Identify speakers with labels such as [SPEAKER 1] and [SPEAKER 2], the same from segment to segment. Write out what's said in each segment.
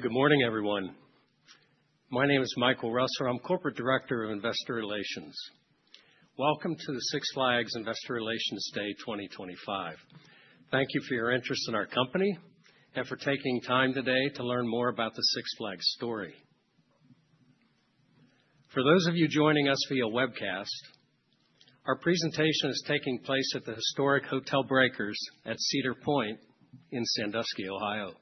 [SPEAKER 1] Good morning, everyone. My name is Michael Russell. I'm Corporate Director of Investor Relations. Welcome to the Six Flags Investor Relations Day 2025. Thank you for your interest in our company and for taking time today to learn more about the Six Flags story. For those of you joining us via webcast, our presentation is taking place at the historic Hotel Breakers at Cedar Point in Sandusky, Ohio.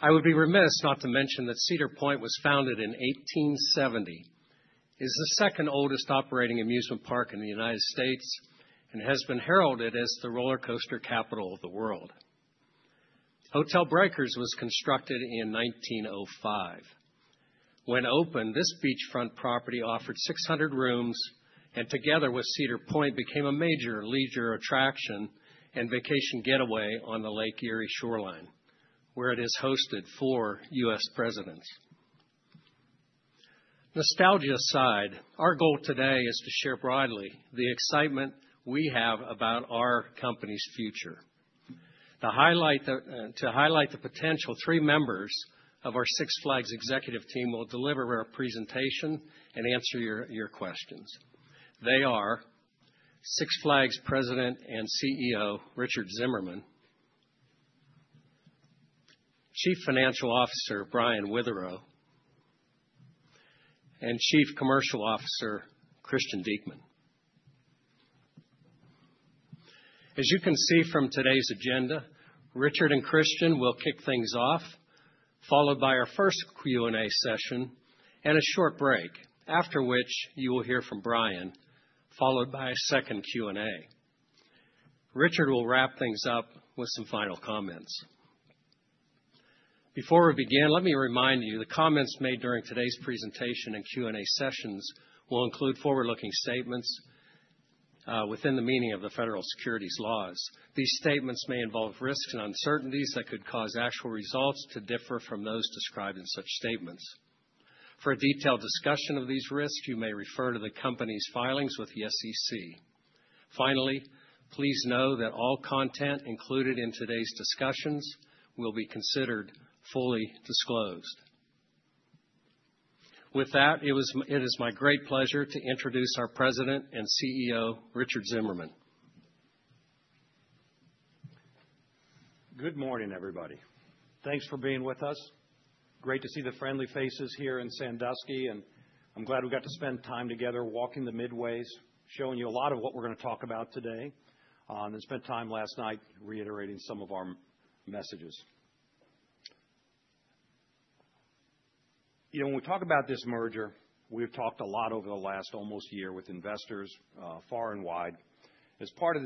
[SPEAKER 1] I would be remiss not to mention that Cedar Point was founded in 1870, is the second oldest operating amusement park in the United States, and has been heralded as the roller coaster capital of the world. Hotel Breakers was constructed in 1905. When opened, this beachfront property offered 600 rooms, and together with Cedar Point, became a major leisure attraction and vacation getaway on the Lake Erie shoreline, where it has hosted U.S. presidents. Nostalgia aside, our goal today is to share broadly the excitement we have about our company's future. To highlight the potential, three members of our Six Flags executive team will deliver our presentation and answer your questions. They are Six Flags President and CEO Richard Zimmerman, Chief Financial Officer Brian Witherow, and Chief Commercial Officer Christian Diekman. As you can see from today's agenda, Richard and Christian will kick things off, followed by our first Q&A session and a short break, after which you will hear from Brian, followed by a second Q&A. Richard will wrap things up with some final comments. Before we begin, let me remind you the comments made during today's presentation and Q&A sessions will include forward-looking statements within the meaning of the federal securities laws. These statements may involve risks and uncertainties that could cause actual results to differ from those described in such statements. For a detailed discussion of these risks, you may refer to the company's filings with the SEC. Finally, please know that all content included in today's discussions will be considered fully disclosed. With that, it is my great pleasure to introduce our President and CEO, Richard Zimmerman.
[SPEAKER 2] Good morning, everybody. Thanks for being with us. Great to see the friendly faces here in Sandusky, and I'm glad we got to spend time together walking the midways, showing you a lot of what we're going to talk about today, and then spent time last night reiterating some of our messages. You know, when we talk about this merger, we've talked a lot over the last almost year with investors far and wide. As part of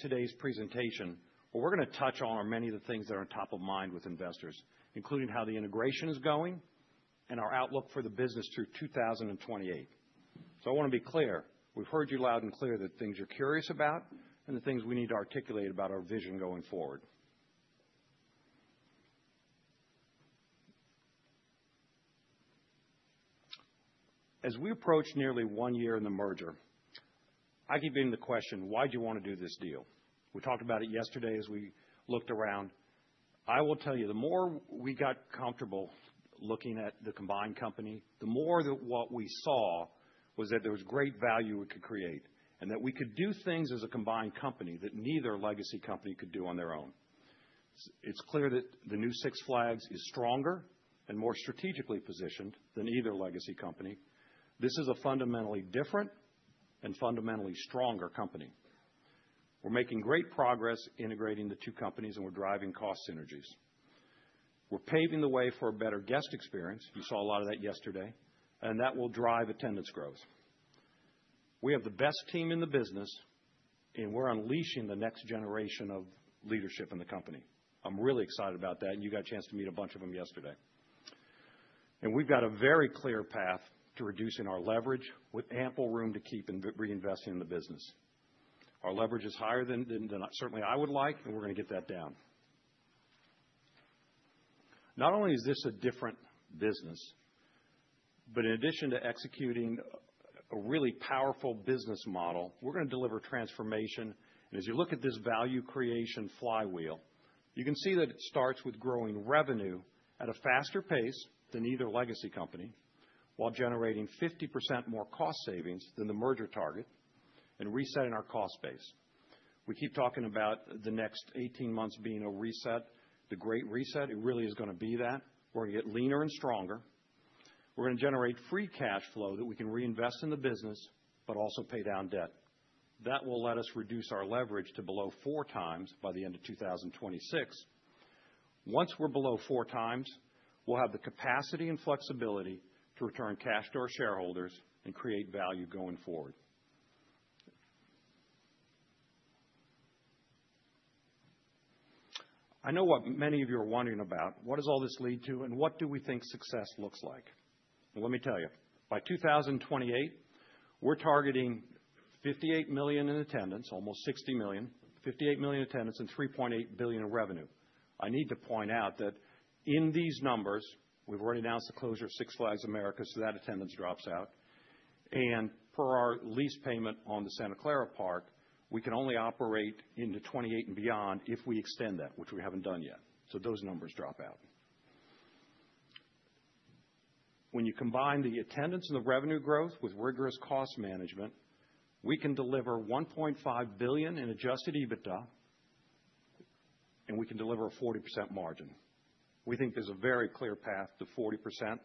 [SPEAKER 2] today's presentation, what we're going to touch on are many of the things that are on top of mind with investors, including how the integration is going and our outlook for the business through 2028. I want to be clear, we've heard you loud and clear the things you're curious about and the things we need to articulate about our vision going forward. As we approach nearly one year in the merger, I keep getting the question, why do you want to do this deal? We talked about it yesterday as we looked around. I will tell you, the more we got comfortable looking at the combined company, the more that what we saw was that there was great value we could create and that we could do things as a combined company that neither legacy company could do on their own. It's clear that the new Six Flags is stronger and more strategically positioned than either legacy company. This is a fundamentally different and fundamentally stronger company. We're making great progress integrating the two companies, and we're driving cost synergies. We're paving the way for a better guest experience. You saw a lot of that yesterday, and that will drive attendance growth. We have the best team in the business, and we're unleashing the next generation of leadership in the company. I'm really excited about that, and you got a chance to meet a bunch of them yesterday. We have a very clear path to reducing our leverage with ample room to keep and reinvest in the business. Our leverage is higher than certainly I would like, and we're going to get that down. Not only is this a different business, but in addition to executing a really powerful business model, we're going to deliver transformation. As you look at this value creation flywheel, you can see that it starts with growing revenue at a faster pace than either legacy company while generating 50% more cost savings than the merger target and resetting our cost base. We keep talking about the next 18 months being a reset, the great reset. It really is going to be that. We're going to get leaner and stronger. We're going to generate free cash flow that we can reinvest in the business, but also pay down debt. That will let us reduce our leverage to below four times by the end of 2026. Once we're below four times, we'll have the capacity and flexibility to return cash to our shareholders and create value going forward. I know what many of you are wondering about. What does all this lead to, and what do we think success looks like? Let me tell you, by 2028, we're targeting 58 million in attendance, almost 60 million, 58 million attendance and $3.8 billion in revenue. I need to point out that in these numbers, we've already announced the closure of Six Flags America, so that attendance drops out. For our lease payment on the Santa Clara Park, we can only operate into 2028 and beyond if we extend that, which we have not done yet. Those numbers drop out. When you combine the attendance and the revenue growth with rigorous cost management, we can deliver $1.5 billion in adjusted EBITDA, and we can deliver a 40% margin. We think there is a very clear path to 40%.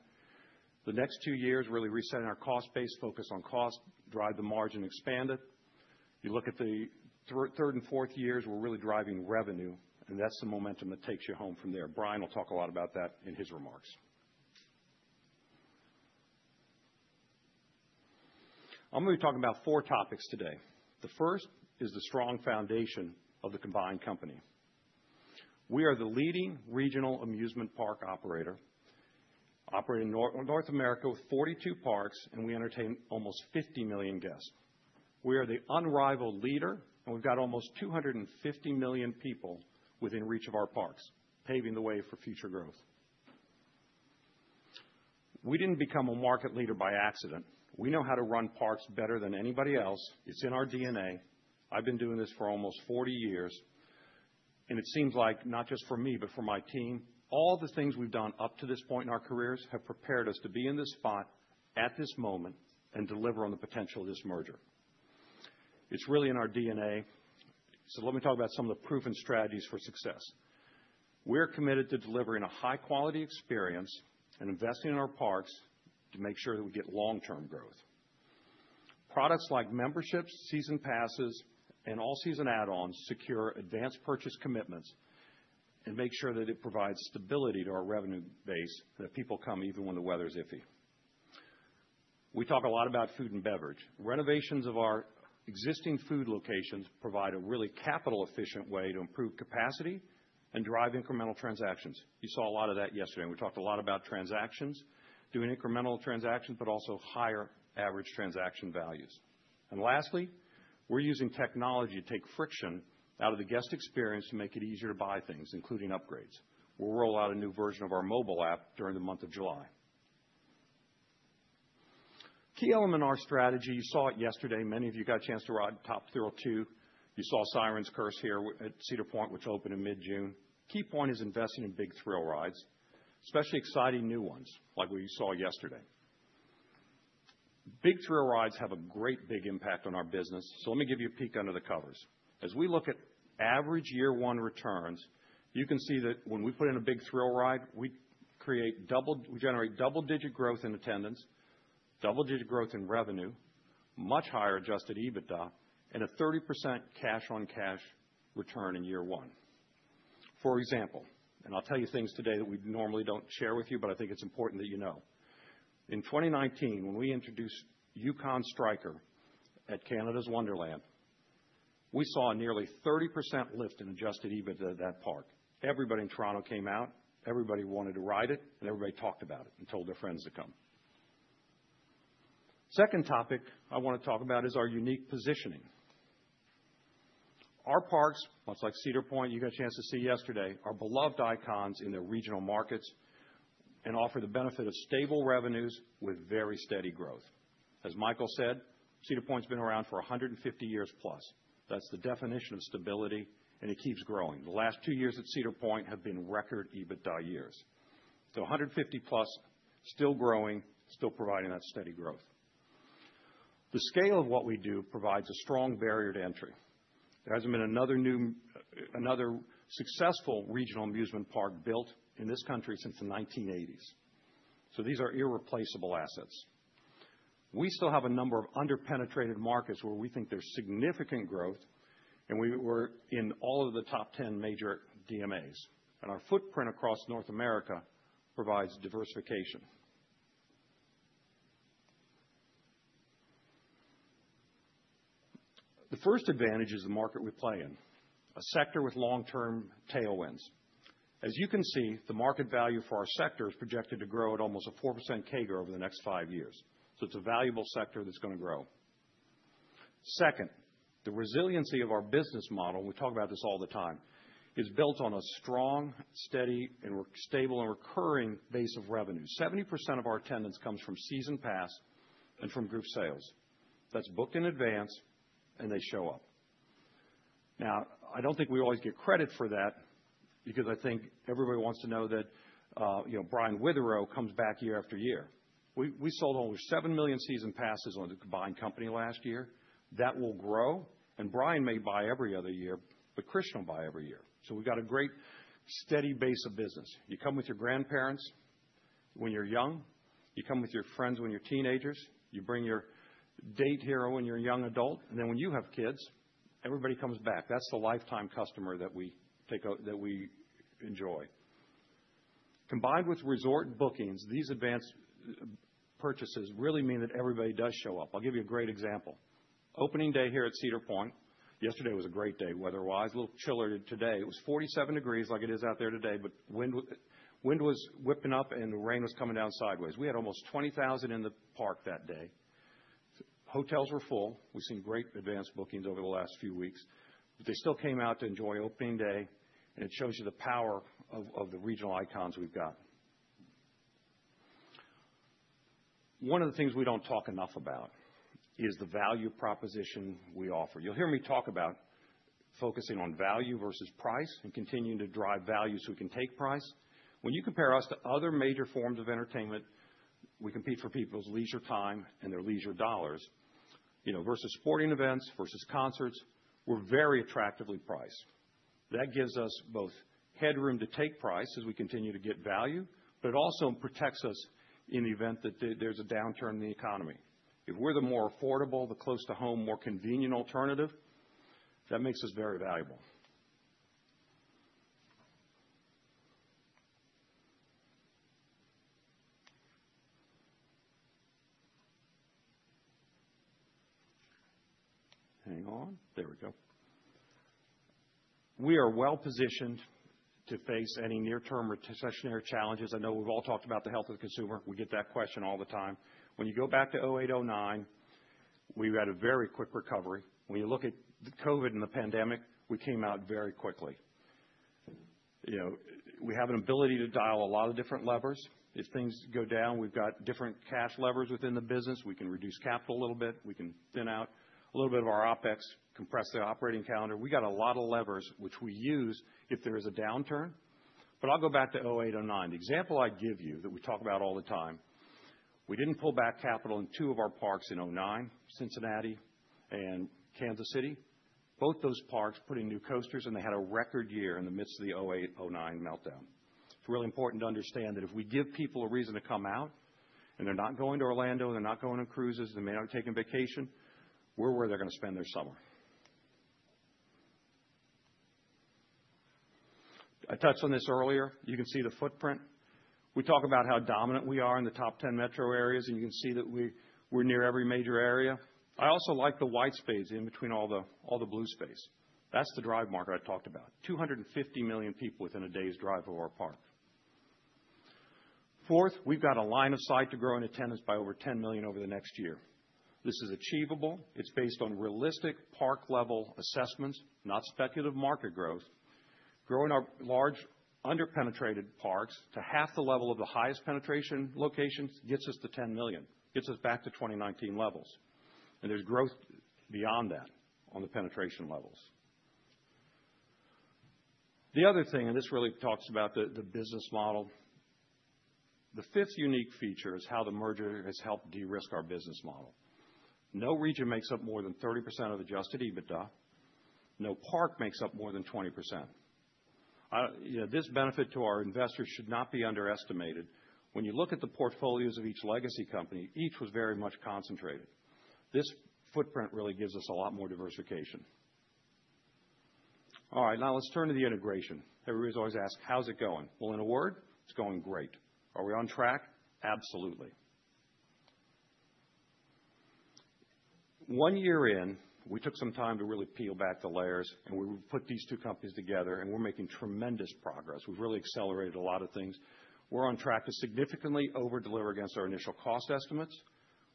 [SPEAKER 2] The next two years, really resetting our cost base, focus on cost, drive the margin, expand it. You look at the third and fourth years, we are really driving revenue, and that is the momentum that takes you home from there. Brian will talk a lot about that in his remarks. I am going to be talking about four topics today. The first is the strong foundation of the combined company. We are the leading regional amusement park operator, operating in North America with 42 parks, and we entertain almost 50 million guests. We are the unrivaled leader, and we've got almost 250 million people within reach of our parks, paving the way for future growth. We didn't become a market leader by accident. We know how to run parks better than anybody else. It's in our DNA. I've been doing this for almost 40 years, and it seems like not just for me, but for my team, all the things we've done up to this point in our careers have prepared us to be in this spot at this moment and deliver on the potential of this merger. It's really in our DNA. Let me talk about some of the proven strategies for success. We're committed to delivering a high-quality experience and investing in our parks to make sure that we get long-term growth. Products like memberships, season passes, and all-season add-ons secure advanced purchase commitments and make sure that it provides stability to our revenue base and that people come even when the weather is iffy. We talk a lot about food and beverage. Renovations of our existing food locations provide a really capital-efficient way to improve capacity and drive incremental transactions. You saw a lot of that yesterday. We talked a lot about transactions, doing incremental transactions, but also higher average transaction values. Lastly, we're using technology to take friction out of the guest experience to make it easier to buy things, including upgrades. We'll roll out a new version of our mobile app during the month of July. Key element in our strategy, you saw it yesterday. Many of you got a chance to ride Top Thrill 2. You saw Siren's Curse here at Cedar Point, which opened in mid-June. Key point is investing in big thrill rides, especially exciting new ones like what you saw yesterday. Big thrill rides have a great big impact on our business. Let me give you a peek under the covers. As we look at average year-one returns, you can see that when we put in a big thrill ride, we generate double-digit growth in attendance, double-digit growth in revenue, much higher adjusted EBITDA, and a 30% cash-on-cash return in year one. For example, and I'll tell you things today that we normally don't share with you, but I think it's important that you know. In 2019, when we introduced Yukon Striker at Canada's Wonderland, we saw a nearly 30% lift in adjusted EBITDA to that park. Everybody in Toronto came out, everybody wanted to ride it, and everybody talked about it and told their friends to come. Second topic I want to talk about is our unique positioning. Our parks, much like Cedar Point, you got a chance to see yesterday, are beloved icons in their regional markets and offer the benefit of stable revenues with very steady growth. As Michael said, Cedar Point's been around for 150 years plus. That's the definition of stability, and it keeps growing. The last two years at Cedar Point have been record EBITDA years. So 150 plus, still growing, still providing that steady growth. The scale of what we do provides a strong barrier to entry. There hasn't been another successful regional amusement park built in this country since the 1980s. So these are irreplaceable assets. We still have a number of under-penetrated markets where we think there's significant growth, and we were in all of the top 10 major DMAs. Our footprint across North America provides diversification. The first advantage is the market we play in, a sector with long-term tailwinds. As you can see, the market value for our sector is projected to grow at almost a 4% CAGR over the next five years. It is a valuable sector that's going to grow. Second, the resiliency of our business model, and we talk about this all the time, is built on a strong, steady, and stable and recurring base of revenue. 70% of our attendance comes from season pass and from group sales. That's booked in advance, and they show up. Now, I do not think we always get credit for that because I think everybody wants to know that Brian Witherow comes back year after year. We sold almost 7 million season passes on the combined company last year. That will grow, and Brian may buy every other year, but Christian will buy every year. We have got a great steady base of business. You come with your grandparents when you are young. You come with your friends when you are teenagers. You bring your date hero when you are a young adult. When you have kids, everybody comes back. That is the lifetime customer that we enjoy. Combined with resort bookings, these advanced purchases really mean that everybody does show up. I will give you a great example. Opening day here at Cedar Point, yesterday was a great day, weather-wise. A little chillier today. It was 47 degrees like it is out there today, but wind was whipping up and the rain was coming down sideways. We had almost 20,000 in the park that day. Hotels were full. We've seen great advanced bookings over the last few weeks, but they still came out to enjoy opening day, and it shows you the power of the regional icons we've got. One of the things we do not talk enough about is the value proposition we offer. You'll hear me talk about focusing on value versus price and continuing to drive value so we can take price. When you compare us to other major forms of entertainment, we compete for people's leisure time and their leisure dollars. Versus sporting events, versus concerts, we're very attractively priced. That gives us both headroom to take price as we continue to get value, but it also protects us in the event that there's a downturn in the economy. If we're the more affordable, the close to home, more convenient alternative, that makes us very valuable. Hang on. There we go. We are well positioned to face any near-term recessionary challenges. I know we've all talked about the health of the consumer. We get that question all the time. When you go back to 2008, 2009, we had a very quick recovery. When you look at COVID and the pandemic, we came out very quickly. We have an ability to dial a lot of different levers. If things go down, we've got different cash levers within the business. We can reduce capital a little bit. We can thin out a little bit of our OPEX, compress the operating calendar. We've got a lot of levers, which we use if there is a downturn. I'll go back to 2008, 2009. The example I give you that we talk about all the time, we didn't pull back capital in two of our parks in 2009, Cincinnati and Kansas City. Both those parks put in new coasters, and they had a record year in the midst of the 2008, 2009 meltdown. It's really important to understand that if we give people a reason to come out and they're not going to Orlando and they're not going on cruises and they may not be taking vacation, we're where they're going to spend their summer. I touched on this earlier. You can see the footprint. We talk about how dominant we are in the top 10 metro areas, and you can see that we're near every major area. I also like the white space in between all the blue space. That's the drive marker I talked about. 250 million people within a day's drive of our park. Fourth, we've got a line of sight to grow in attendance by over 10 million over the next year. This is achievable. It's based on realistic park-level assessments, not speculative market growth. Growing our large under-penetrated parks to half the level of the highest penetration locations gets us to 10 million, gets us back to 2019 levels. There is growth beyond that on the penetration levels. The other thing, and this really talks about the business model, the fifth unique feature is how the merger has helped de-risk our business model. No region makes up more than 30% of adjusted EBITDA. No park makes up more than 20%. This benefit to our investors should not be underestimated. When you look at the portfolios of each legacy company, each was very much concentrated. This footprint really gives us a lot more diversification. All right, now let's turn to the integration. Everybody's always asked, "How's it going?" In a word, it's going great. Are we on track? Absolutely. One year in, we took some time to really peel back the layers, and we put these two companies together, and we're making tremendous progress. We've really accelerated a lot of things. We're on track to significantly over-deliver against our initial cost estimates.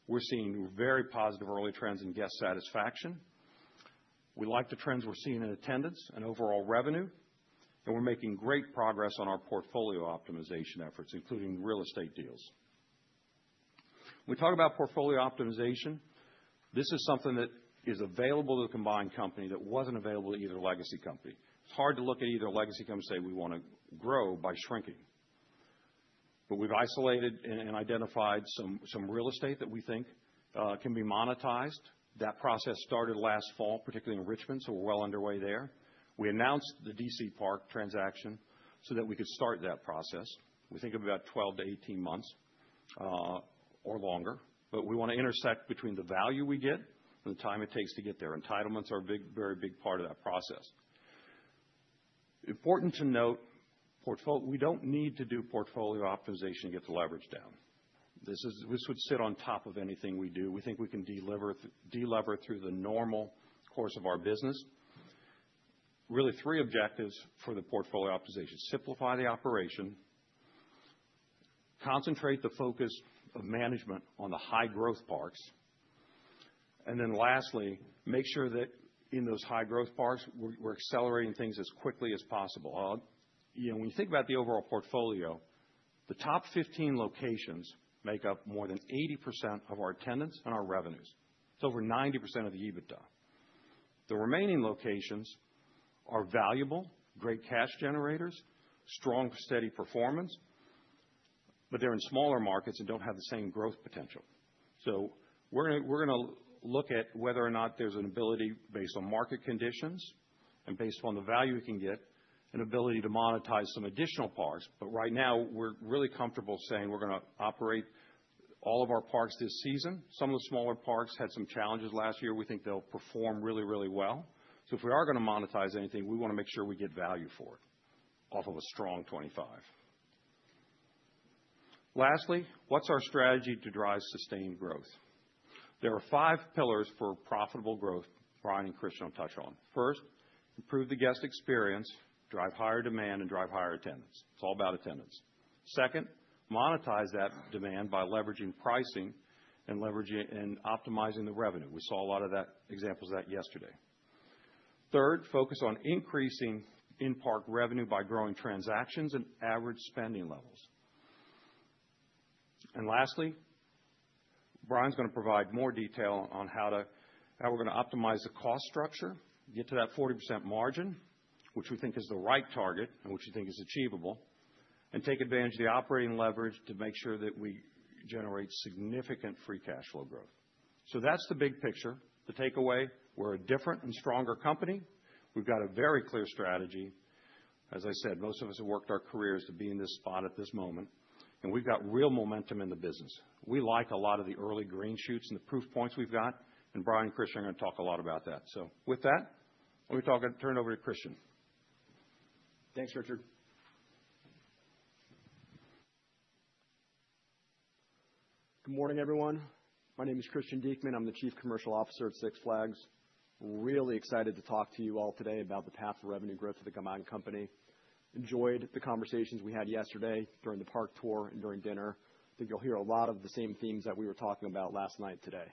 [SPEAKER 2] We're seeing very positive early trends in guest satisfaction. We like the trends we're seeing in attendance and overall revenue, and we're making great progress on our portfolio optimization efforts, including real estate deals. When we talk about portfolio optimization, this is something that is available to the combined company that wasn't available to either legacy company. It's hard to look at either legacy company and say, "We want to grow by shrinking." We have isolated and identified some real estate that we think can be monetized. That process started last fall, particularly in Richmond, so we're well underway there. We announced the DC Park transaction so that we could start that process. We think of about 12-18 months or longer, but we want to intersect between the value we get and the time it takes to get there. Entitlements are a very big part of that process. Important to note, we don't need to do portfolio optimization to get the leverage down. This would sit on top of anything we do. We think we can deliver it through the normal course of our business. Really, three objectives for the portfolio optimization: simplify the operation, concentrate the focus of management on the high-growth parks, and then lastly, make sure that in those high-growth parks, we're accelerating things as quickly as possible. When you think about the overall portfolio, the top 15 locations make up more than 80% of our attendance and our revenues. It's over 90% of the EBITDA. The remaining locations are valuable, great cash generators, strong, steady performance, but they're in smaller markets and don't have the same growth potential. We're going to look at whether or not there's an ability based on market conditions and based on the value we can get and ability to monetize some additional parks. Right now, we're really comfortable saying we're going to operate all of our parks this season. Some of the smaller parks had some challenges last year. We think they'll perform really, really well. If we are going to monetize anything, we want to make sure we get value for it off of a strong 2025. Lastly, what's our strategy to drive sustained growth? There are five pillars for profitable growth Brian and Christian will touch on. First, improve the guest experience, drive higher demand, and drive higher attendance. It's all about attendance. Second, monetize that demand by leveraging pricing and optimizing the revenue. We saw a lot of examples of that yesterday. Third, focus on increasing in-park revenue by growing transactions and average spending levels. Lastly, Brian's going to provide more detail on how we're going to optimize the cost structure, get to that 40% margin, which we think is the right target and which we think is achievable, and take advantage of the operating leverage to make sure that we generate significant free cash flow growth. That's the big picture. The takeaway, we're a different and stronger company. We've got a very clear strategy. As I said, most of us have worked our careers to be in this spot at this moment, and we've got real momentum in the business. We like a lot of the early green shoots and the proof points we've got, and Brian and Christian are going to talk a lot about that. With that, let me turn it over to Christian.
[SPEAKER 3] Thanks, Richard. Good morning, everyone. My name is Christian Diekman. I'm the Chief Commercial Officer at Six Flags. Really excited to talk to you all today about the path of revenue growth of the combined company. Enjoyed the conversations we had yesterday during the park tour and during dinner. I think you'll hear a lot of the same themes that we were talking about last night today.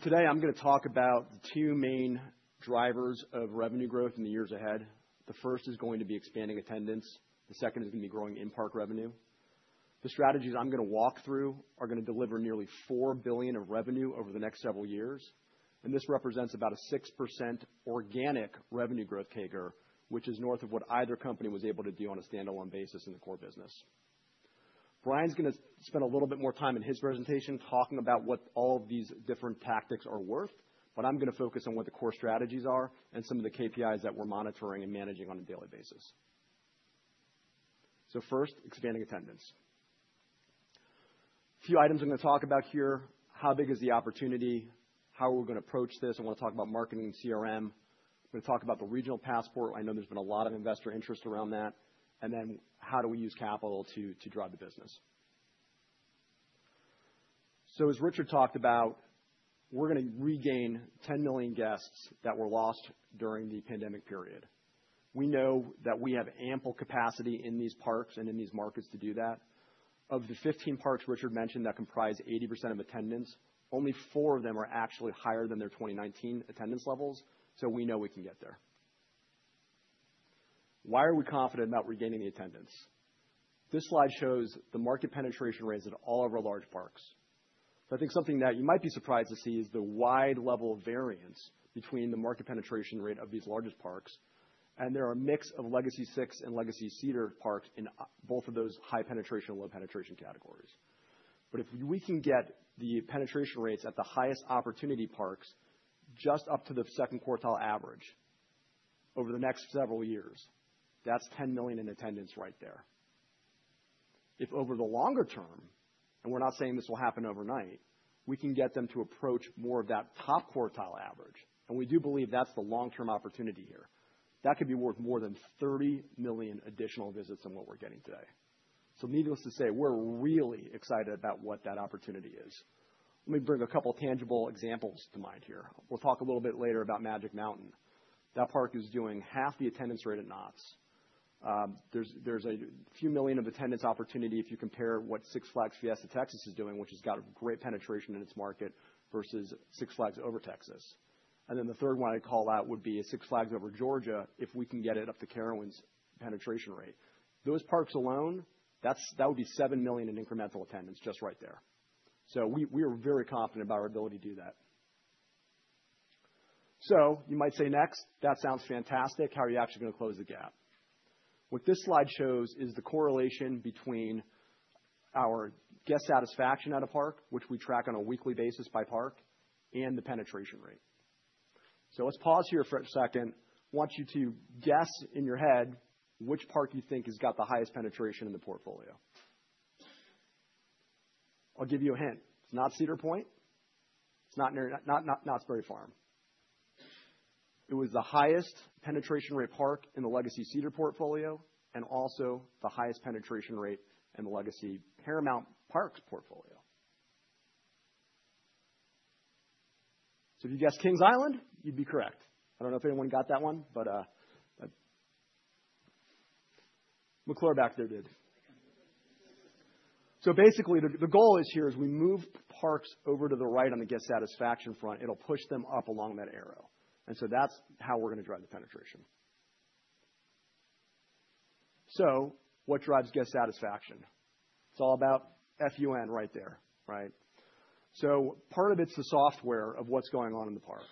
[SPEAKER 3] Today, I'm going to talk about the two main drivers of revenue growth in the years ahead. The first is going to be expanding attendance. The second is going to be growing in-park revenue. The strategies I'm going to walk through are going to deliver nearly $4 billion of revenue over the next several years, and this represents about a 6% organic revenue growth CAGR, which is north of what either company was able to do on a standalone basis in the core business. Brian's going to spend a little bit more time in his presentation talking about what all of these different tactics are worth, but I'm going to focus on what the core strategies are and some of the KPIs that we're monitoring and managing on a daily basis. First, expanding attendance. A few items I'm going to talk about here: how big is the opportunity, how are we going to approach this? I want to talk about marketing and CRM. I'm going to talk about the regional passport. I know there's been a lot of investor interest around that. How do we use capital to drive the business? As Richard talked about, we're going to regain 10 million guests that were lost during the pandemic period. We know that we have ample capacity in these parks and in these markets to do that. Of the 15 parks Richard mentioned that comprise 80% of attendance, only four of them are actually higher than their 2019 attendance levels, so we know we can get there. Why are we confident about regaining the attendance? This slide shows the market penetration rates at all of our large parks. I think something that you might be surprised to see is the wide level of variance between the market penetration rate of these largest parks, and there are a mix of Legacy Six and Legacy Cedar parks in both of those high penetration and low penetration categories. If we can get the penetration rates at the highest opportunity parks just up to the second quartile average over the next several years, that's 10 million in attendance right there. If over the longer term, and we're not saying this will happen overnight, we can get them to approach more of that top quartile average, and we do believe that's the long-term opportunity here. That could be worth more than 30 million additional visits than what we're getting today. Needless to say, we're really excited about what that opportunity is. Let me bring a couple of tangible examples to mind here. We'll talk a little bit later about Magic Mountain. That park is doing half the attendance rate at Knott's. There's a few million of attendance opportunity if you compare what Six Flags Fiesta Texas is doing, which has got a great penetration in its market, versus Six Flags Over Texas. The third one I'd call out would be Six Flags Over Georgia if we can get it up to Carowinds' penetration rate. Those parks alone, that would be 7 million in incremental attendance just right there. We are very confident about our ability to do that. You might say, "Next, that sounds fantastic. How are you actually going to close the gap?" What this slide shows is the correlation between our guest satisfaction at a park, which we track on a weekly basis by park, and the penetration rate. Let's pause here for a second. I want you to guess in your head which park you think has got the highest penetration in the portfolio. I'll give you a hint. It's not Cedar Point. It's not Knott's Berry Farm. It was the highest penetration rate park in the Legacy Cedar portfolio and also the highest penetration rate in the Legacy Paramount Parks portfolio. If you guessed Kings Island, you'd be correct. I don't know if anyone got that one, but McClure back there did. Basically, the goal here is we move parks over to the right on the guest satisfaction front. It'll push them up along that arrow. That's how we're going to drive the penetration. What drives guest satisfaction? It's all about FUN right there, right? Part of it's the software of what's going on in the park.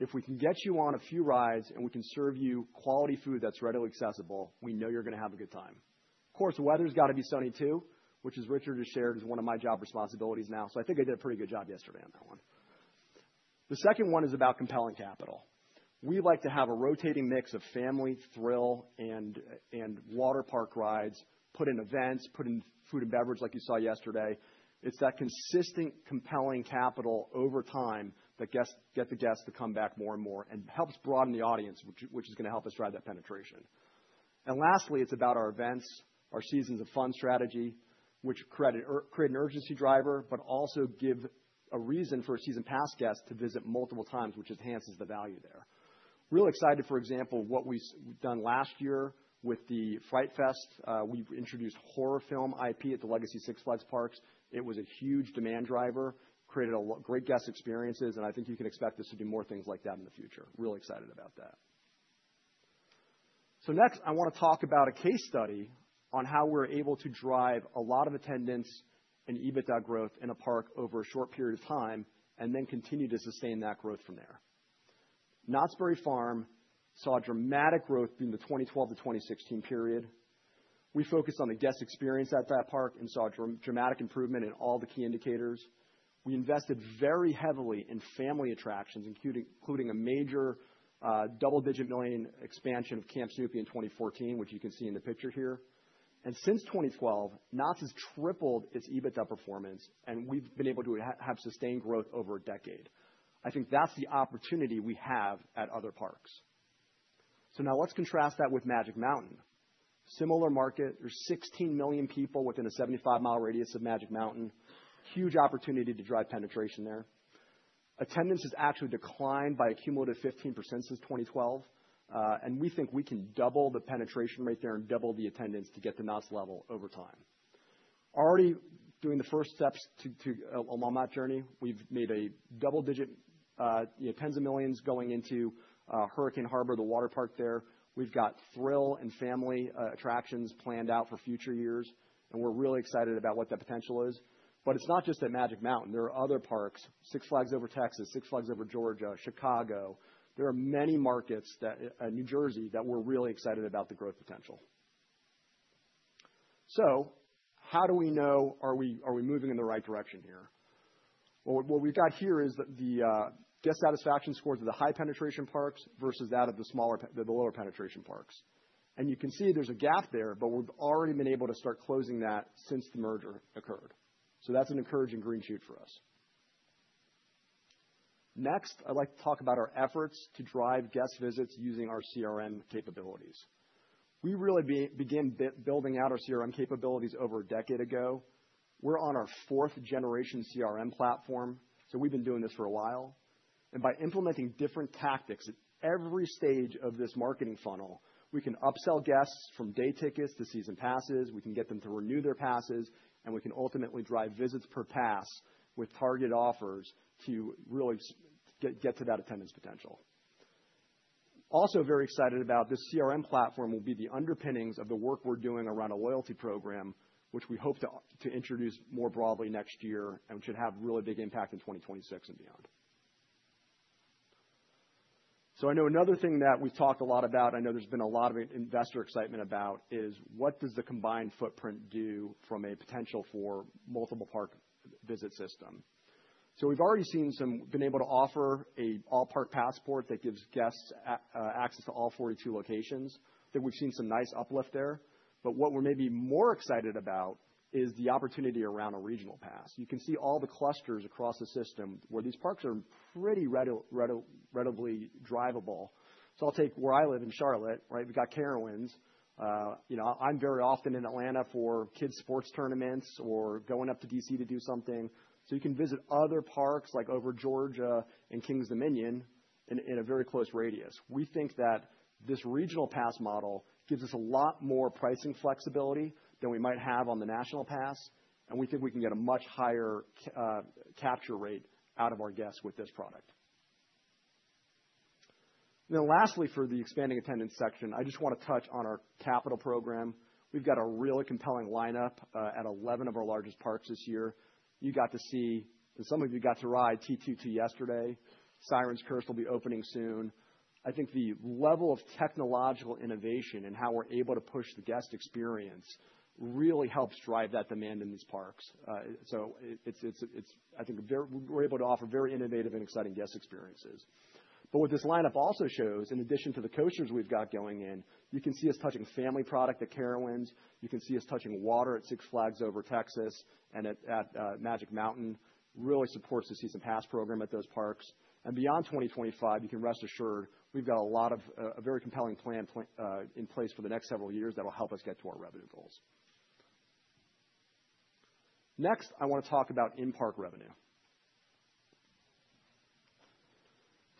[SPEAKER 3] If we can get you on a few rides and we can serve you quality food that's readily accessible, we know you're going to have a good time. Of course, the weather's got to be sunny too, which, as Richard has shared, is one of my job responsibilities now. I think I did a pretty good job yesterday on that one. The second one is about compelling capital. We like to have a rotating mix of family, thrill, and water park rides, put in events, put in food and beverage like you saw yesterday. It is that consistent, compelling capital over time that gets the guests to come back more and more and helps broaden the audience, which is going to help us drive that penetration. Lastly, it is about our events, our seasons of fun strategy, which create an urgency driver, but also give a reason for season pass guests to visit multiple times, which enhances the value there. Real excited, for example, what we have done last year with the Fright Fest. We have introduced horror film IP at the legacy Six Flags parks. It was a huge demand driver, created great guest experiences, and I think you can expect us to do more things like that in the future. Real excited about that. Next, I want to talk about a case study on how we're able to drive a lot of attendance and EBITDA growth in a park over a short period of time and then continue to sustain that growth from there. Knott's Berry Farm saw dramatic growth during the 2012 to 2016 period. We focused on the guest experience at that park and saw dramatic improvement in all the key indicators. We invested very heavily in family attractions, including a major double-digit million expansion of Camp Snoopy in 2014, which you can see in the picture here. Since 2012, Knott's has tripled its EBITDA performance, and we've been able to have sustained growth over a decade. I think that's the opportunity we have at other parks. Now let's contrast that with Magic Mountain. Similar market. There are 16 million people within a 75-mile radius of Magic Mountain. Huge opportunity to drive penetration there. Attendance has actually declined by a cumulative 15% since 2012, and we think we can double the penetration rate there and double the attendance to get to Knott's level over time. Already doing the first steps to a Walmart journey. We've made a double-digit tens of millions going into Hurricane Harbor, the water park there. We've got thrill and family attractions planned out for future years, and we're really excited about what that potential is. It is not just at Magic Mountain. There are other parks: Six Flags Over Texas, Six Flags Over Georgia, Chicago. There are many markets in New Jersey that we're really excited about the growth potential. How do we know are we moving in the right direction here? What we've got here is the guest satisfaction scores of the high-penetration parks versus that of the lower-penetration parks. You can see there's a gap there, but we've already been able to start closing that since the merger occurred. That's an encouraging green shoot for us. Next, I'd like to talk about our efforts to drive guest visits using our CRM capabilities. We really began building out our CRM capabilities over a decade ago. We're on our fourth-generation CRM platform, so we've been doing this for a while. By implementing different tactics at every stage of this marketing funnel, we can upsell guests from day tickets to season passes. We can get them to renew their passes, and we can ultimately drive visits per pass with targeted offers to really get to that attendance potential. Also very excited about this CRM platform will be the underpinnings of the work we're doing around a loyalty program, which we hope to introduce more broadly next year and should have a really big impact in 2026 and beyond. I know another thing that we've talked a lot about, and I know there's been a lot of investor excitement about, is what does the combined footprint do from a potential for multiple park visit system? We've already seen some been able to offer an all-park passport that gives guests access to all 42 locations. I think we've seen some nice uplift there. What we're maybe more excited about is the opportunity around a regional pass. You can see all the clusters across the system where these parks are pretty readily drivable. I'll take where I live in Charlotte, right? We've got Carowinds. I'm very often in Atlanta for kids' sports tournaments or going up to DC to do something. You can visit other parks like Over Georgia and Kings Dominion in a very close radius. We think that this regional pass model gives us a lot more pricing flexibility than we might have on the national pass, and we think we can get a much higher capture rate out of our guests with this product. Lastly, for the expanding attendance section, I just want to touch on our capital program. We've got a really compelling lineup at 11 of our largest parks this year. You got to see, and some of you got to ride Top Thrill 2 yesterday. Siren's Curse will be opening soon. I think the level of technological innovation and how we're able to push the guest experience really helps drive that demand in these parks. I think we're able to offer very innovative and exciting guest experiences. What this lineup also shows, in addition to the coasters we've got going in, you can see us touching family product at Carowinds. You can see us touching water at Six Flags Over Texas and at Magic Mountain. Really supports the season pass program at those parks. Beyond 2025, you can rest assured we've got a very compelling plan in place for the next several years that will help us get to our revenue goals. Next, I want to talk about in-park revenue.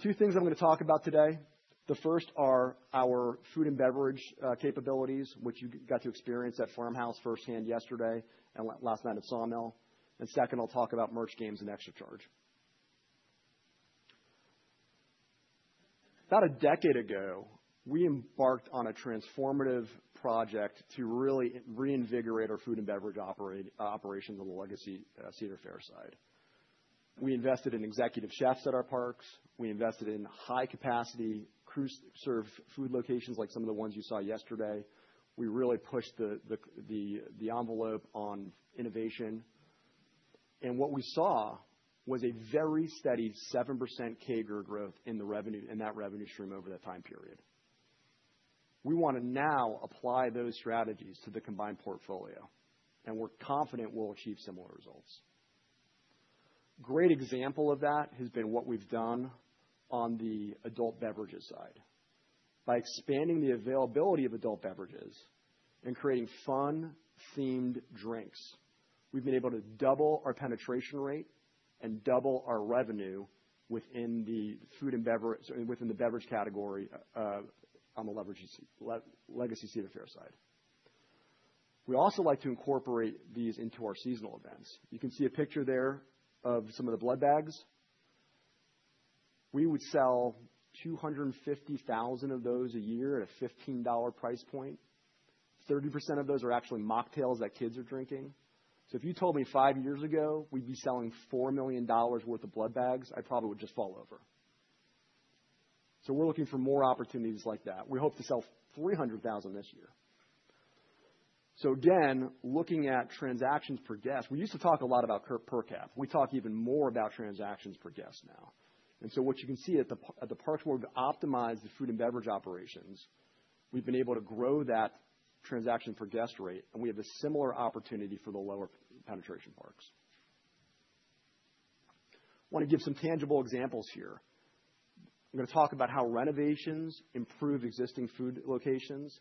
[SPEAKER 3] Two things I'm going to talk about today. The first are our food and beverage capabilities, which you got to experience at Farmhouse firsthand yesterday and last night at Sawmill. Second, I'll talk about merch games and extra charge. About a decade ago, we embarked on a transformative project to really reinvigorate our food and beverage operations on the Legacy Cedar Fair side. We invested in executive chefs at our parks. We invested in high-capacity cruise-serve food locations like some of the ones you saw yesterday. We really pushed the envelope on innovation. What we saw was a very steady 7% CAGR growth in that revenue stream over that time period. We want to now apply those strategies to the combined portfolio, and we're confident we'll achieve similar results. A great example of that has been what we've done on the adult beverages side. By expanding the availability of adult beverages and creating fun-themed drinks, we've been able to double our penetration rate and double our revenue within the food and beverage category on the Legacy Cedar Fair side. We also like to incorporate these into our seasonal events. You can see a picture there of some of the blood bags. We would sell 250,000 of those a year at a $15 price point. 30% of those are actually mocktails that kids are drinking. If you told me five years ago we'd be selling $4 million worth of blood bags, I probably would just fall over. We are looking for more opportunities like that. We hope to sell 300,000 this year. Again, looking at transactions per guest, we used to talk a lot about per cap. We talk even more about transactions per guest now. What you can see at the parks, where we've optimized the food and beverage operations, we've been able to grow that transaction per guest rate, and we have a similar opportunity for the lower-penetration parks. I want to give some tangible examples here. I'm going to talk about how renovations improve existing food locations.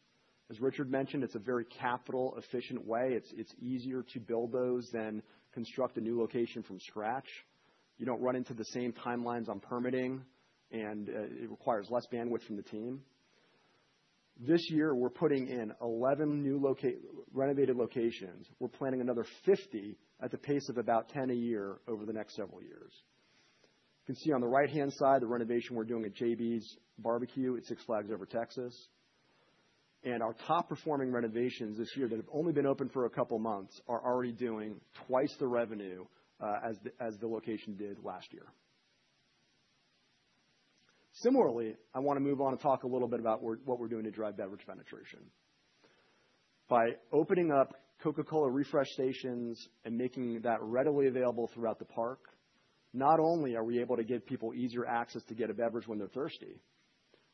[SPEAKER 3] As Richard mentioned, it's a very capital-efficient way. It's easier to build those than construct a new location from scratch. You don't run into the same timelines on permitting, and it requires less bandwidth from the team. This year, we're putting in 11 new renovated locations. We're planning another 50 at the pace of about 10 a year over the next several years. You can see on the right-hand side the renovation we're doing at JB's BBQ at Six Flags Over Texas. Our top-performing renovations this year that have only been open for a couple of months are already doing twice the revenue as the location did last year. Similarly, I want to move on and talk a little bit about what we're doing to drive beverage penetration. By opening up Coca-Cola refresh stations and making that readily available throughout the park, not only are we able to give people easier access to get a beverage when they're thirsty,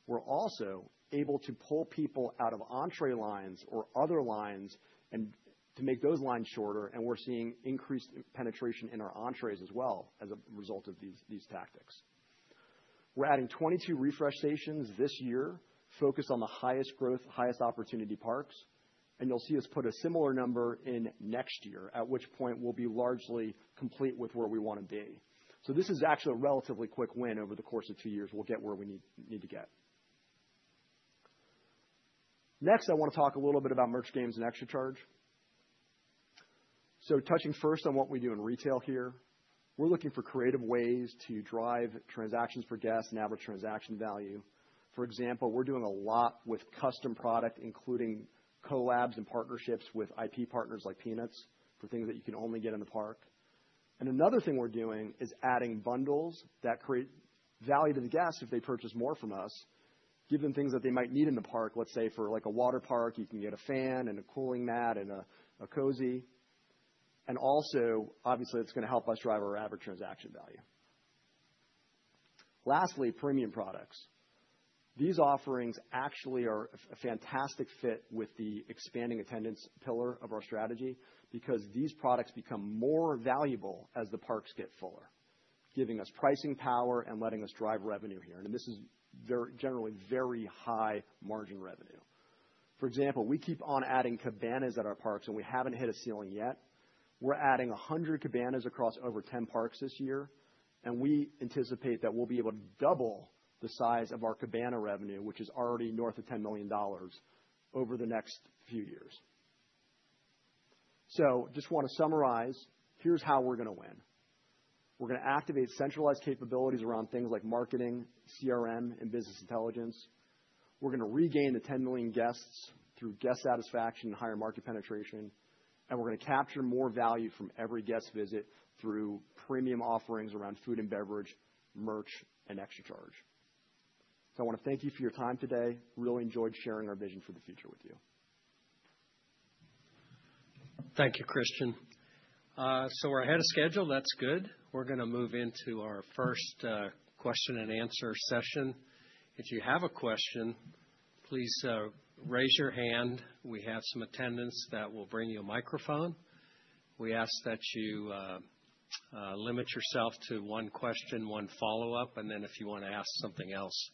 [SPEAKER 3] we're also able to pull people out of entrée lines or other lines and to make those lines shorter, and we're seeing increased penetration in our entrées as well as a result of these tactics. We're adding 22 refresh stations this year focused on the highest growth, highest opportunity parks, and you'll see us put a similar number in next year, at which point we'll be largely complete with where we want to be. This is actually a relatively quick win over the course of two years. We'll get where we need to get. Next, I want to talk a little bit about merch games and extra charge. Touching first on what we do in retail here, we're looking for creative ways to drive transactions for guests and average transaction value. For example, we're doing a lot with custom product, including collabs and partnerships with IP partners like Peanuts for things that you can only get in the park. Another thing we're doing is adding bundles that create value to the guests if they purchase more from us, give them things that they might need in the park. Let's say for a water park, you can get a fan and a cooling mat and a cozy. Also, obviously, that's going to help us drive our average transaction value. Lastly, premium products. These offerings actually are a fantastic fit with the expanding attendance pillar of our strategy because these products become more valuable as the parks get fuller, giving us pricing power and letting us drive revenue here. This is generally very high-margin revenue. For example, we keep on adding cabanas at our parks, and we have not hit a ceiling yet. We are adding 100 cabanas across over 10 parks this year, and we anticipate that we will be able to double the size of our cabana revenue, which is already north of $10 million over the next few years. I just want to summarize, here is how we are going to win. We are going to activate centralized capabilities around things like marketing, CRM, and business intelligence. We're going to regain the 10 million guests through guest satisfaction and higher market penetration, and we're going to capture more value from every guest visit through premium offerings around food and beverage, merch, and extra charge. I want to thank you for your time today. Really enjoyed sharing our vision for the future with you.
[SPEAKER 1] Thank you, Christian. So we're ahead of schedule. That's good. We're going to move into our first question-and-answer session. If you have a question, please raise your hand. We have some attendants that will bring you a microphone. We ask that you limit yourself to one question, one follow-up, and then if you want to ask something else,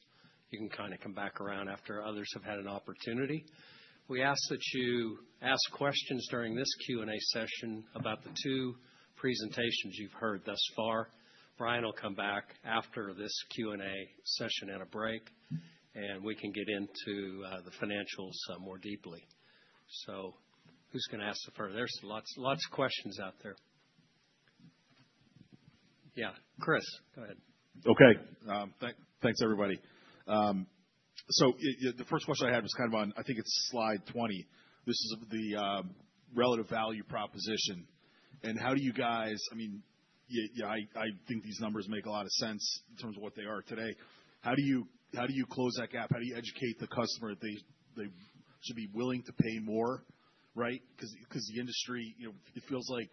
[SPEAKER 1] you can kind of come back around after others have had an opportunity. We ask that you ask questions during this Q&A session about the two presentations you've heard thus far. Brian will come back after this Q&A session at a break, and we can get into the financials more deeply. Who's going to ask the first? There's lots of questions out there. Yeah, Chris, go ahead.
[SPEAKER 4] Okay. Thanks, everybody. The first question I had was kind of on, I think it's slide 20. This is the relative value proposition. How do you guys—I mean, I think these numbers make a lot of sense in terms of what they are today. How do you close that gap? How do you educate the customer that they should be willing to pay more, right? Because the industry, it feels like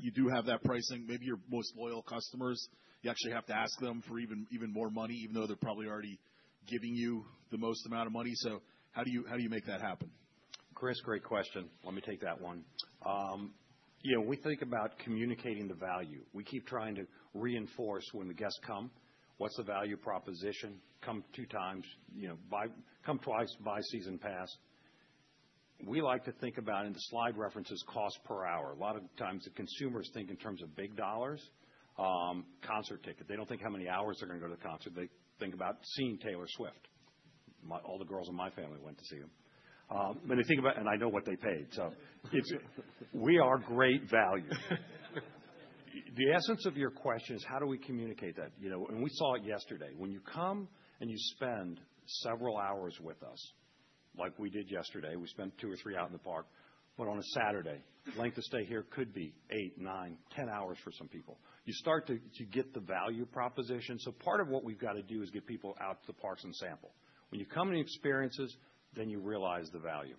[SPEAKER 4] you do have that pricing. Maybe your most loyal customers, you actually have to ask them for even more money, even though they're probably already giving you the most amount of money. How do you make that happen?
[SPEAKER 5] Chris, great question. Let me take that one. We think about communicating the value. We keep trying to reinforce when the guests come, what's the value proposition. Come twice, buy season pass. We like to think about, in the slide references, cost per hour. A lot of times, the consumers think in terms of big dollars. Concert ticket. They don't think how many hours they're going to go to the concert. They think about seeing Taylor Swift. All the girls in my family went to see her. And they think about, and I know what they paid. We are great value. The essence of your question is, how do we communicate that? We saw it yesterday. When you come and you spend several hours with us, like we did yesterday, we spent two or three out in the park, but on a Saturday, length of stay here could be 8, 9, 10 hours for some people. You start to get the value proposition. Part of what we've got to do is get people out to the parks and sample. When you come and experience this, then you realize the value.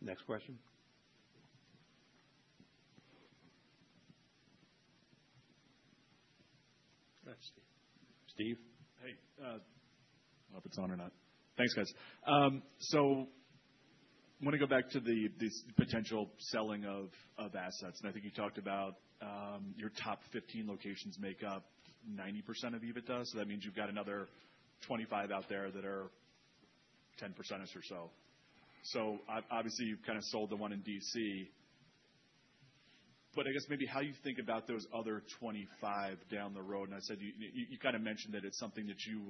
[SPEAKER 1] Next question. That's Steve.
[SPEAKER 5] Steve?
[SPEAKER 6] Hey. I don't know if it's on or not. Thanks, guys. I want to go back to the potential selling of assets. I think you talked about your top 15 locations make up 90% of EBITDA. That means you've got another 25 out there that are 10%-ish or so. Obviously, you've kind of sold the one in DC. I guess maybe how you think about those other 25 down the road. I said you kind of mentioned that it's something that you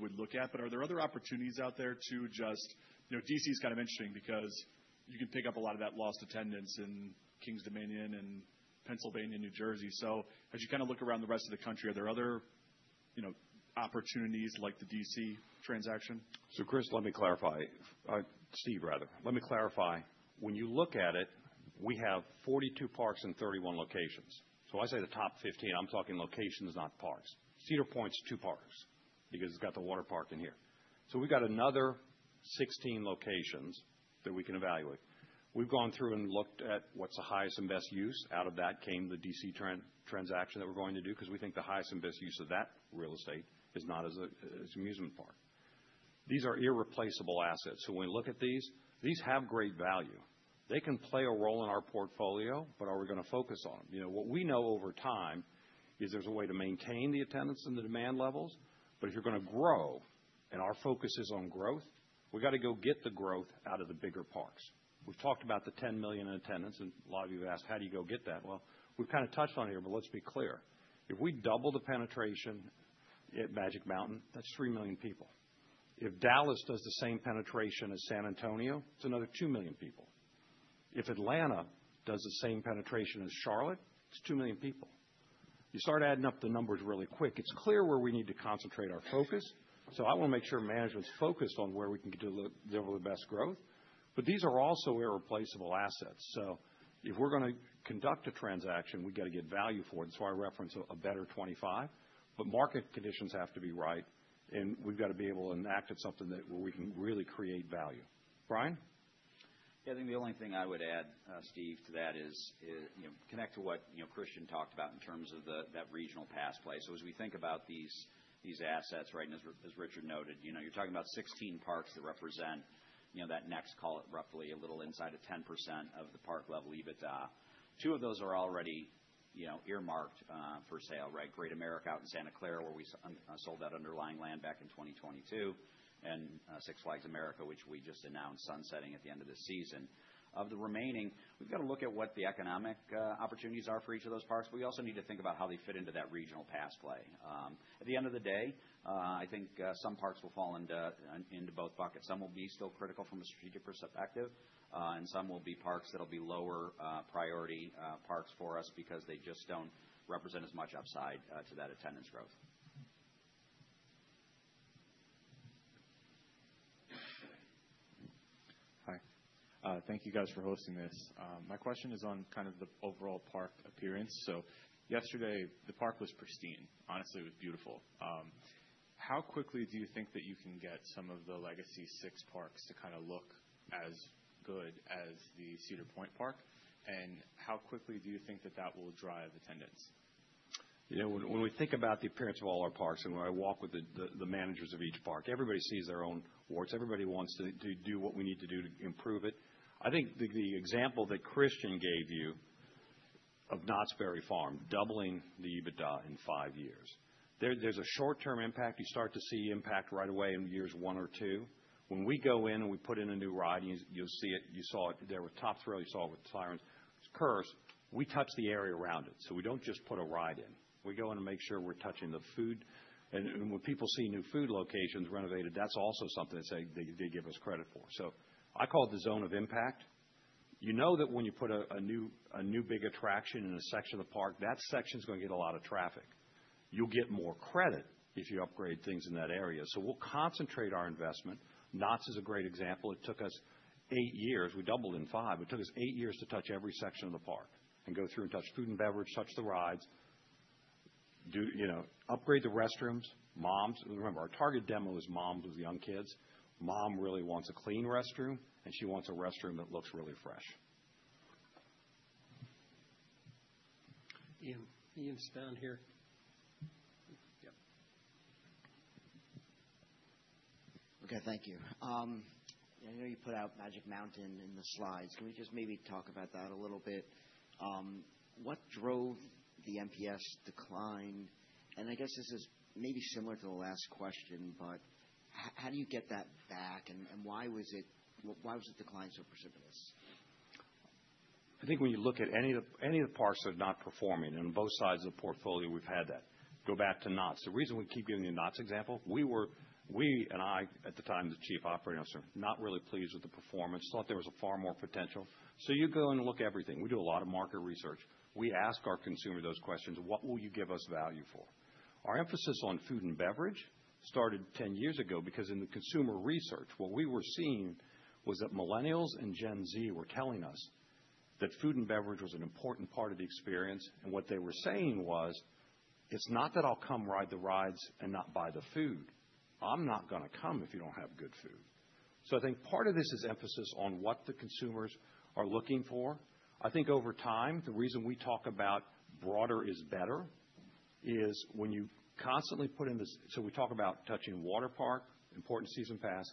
[SPEAKER 6] would look at. Are there other opportunities out there too? DC is kind of interesting because you can pick up a lot of that lost attendance in Kings Dominion and Pennsylvania, New Jersey. As you kind of look around the rest of the country, are there other opportunities like the DC transaction?
[SPEAKER 5] Chris, let me clarify. Steve, rather. Let me clarify. When you look at it, we have 42 parks and 31 locations. When I say the top 15, I am talking locations, not parks. Cedar Point is two parks because it has the water park in here. We have another 16 locations that we can evaluate. We have gone through and looked at what is the highest and best use. Out of that came the DC transaction that we are going to do because we think the highest and best use of that real estate is not as an amusement park. These are irreplaceable assets. When we look at these, these have great value. They can play a role in our portfolio, but are we going to focus on them? What we know over time is there is a way to maintain the attendance and the demand levels. If you're going to grow, and our focus is on growth, we've got to go get the growth out of the bigger parks. We've talked about the 10 million in attendance, and a lot of you have asked, how do you go get that? We've kind of touched on it here, but let's be clear. If we double the penetration at Magic Mountain, that's 3 million people. If Dallas does the same penetration as San Antonio, it's another 2 million people. If Atlanta does the same penetration as Charlotte, it's 2 million people. You start adding up the numbers really quick. It's clear where we need to concentrate our focus. I want to make sure management's focused on where we can deliver the best growth. These are also irreplaceable assets. If we're going to conduct a transaction, we've got to get value for it. That's why I reference a better 25. Market conditions have to be right, and we've got to be able to enact it, something where we can really create value.
[SPEAKER 7] Brian? Yeah, I think the only thing I would add, Steve, to that is connect to what Christian talked about in terms of that regional passplay. As we think about these assets, right, and as Richard noted, you're talking about 16 parks that represent that next, call it roughly a little inside of 10% of the park level EBITDA. Two of those are already earmarked for sale, right? Great America out in Santa Clara, where we sold that underlying land back in 2022, and Six Flags America, which we just announced sunsetting at the end of this season. Of the remaining, we've got to look at what the economic opportunities are for each of those parks. We also need to think about how they fit into that regional passplay. At the end of the day, I think some parks will fall into both buckets. Some will be still critical from a strategic perspective, and some will be parks that'll be lower priority parks for us because they just don't represent as much upside to that attendance growth.
[SPEAKER 1] Hi. Thank you, guys, for hosting this. My question is on kind of the overall park appearance. Yesterday, the park was pristine. Honestly, it was beautiful. How quickly do you think that you can get some of the legacy Six parks to kind of look as good as the Cedar Point park? How quickly do you think that that will drive attendance?
[SPEAKER 5] When we think about the appearance of all our parks and when I walk with the managers of each park, everybody sees their own warts. Everybody wants to do what we need to do to improve it. I think the example that Christian gave you of Knott's Berry Farm, doubling the EBITDA in five years, there's a short-term impact. You start to see impact right away in years one or two. When we go in and we put in a new ride, you'll see it. You saw it there with Top Thrill 2. You saw it with Siren's Curse. We touch the area around it. We don't just put a ride in. We go in and make sure we're touching the food. When people see new food locations renovated, that's also something that they give us credit for. I call it the zone of impact. You know that when you put a new big attraction in a section of the park, that section's going to get a lot of traffic. You'll get more credit if you upgrade things in that area. So we'll concentrate our investment. Knott's is a great example. It took us eight years. We doubled in five. It took us eight years to touch every section of the park and go through and touch food and beverage, touch the rides, upgrade the restrooms. Remember, our target demo is moms with young kids. Mom really wants a clean restroom, and she wants a restroom that looks really fresh.
[SPEAKER 1] Ian's down here. Yep.
[SPEAKER 8] Okay, thank you. I know you put out Magic Mountain in the slides. Can we just maybe talk about that a little bit? What drove the NPS decline? I guess this is maybe similar to the last question, but how do you get that back? Why was it decline so precipitous?
[SPEAKER 5] I think when you look at any of the parks that are not performing, and on both sides of the portfolio, we've had that. Go back to Knott's. The reason we keep giving you Knott's example, we were—we and I, at the time, the Chief Operating Officer—not really pleased with the performance. Thought there was far more potential. You go and look at everything. We do a lot of market research. We ask our consumer those questions. What will you give us value for? Our emphasis on food and beverage started 10 years ago because in the consumer research, what we were seeing was that millennials and Gen Z were telling us that food and beverage was an important part of the experience. What they were saying was, "It's not that I'll come ride the rides and not buy the food. I'm not going to come if you don't have good food." I think part of this is emphasis on what the consumers are looking for. I think over time, the reason we talk about broader is better is when you constantly put in this—so we talk about touching water park, important season pass,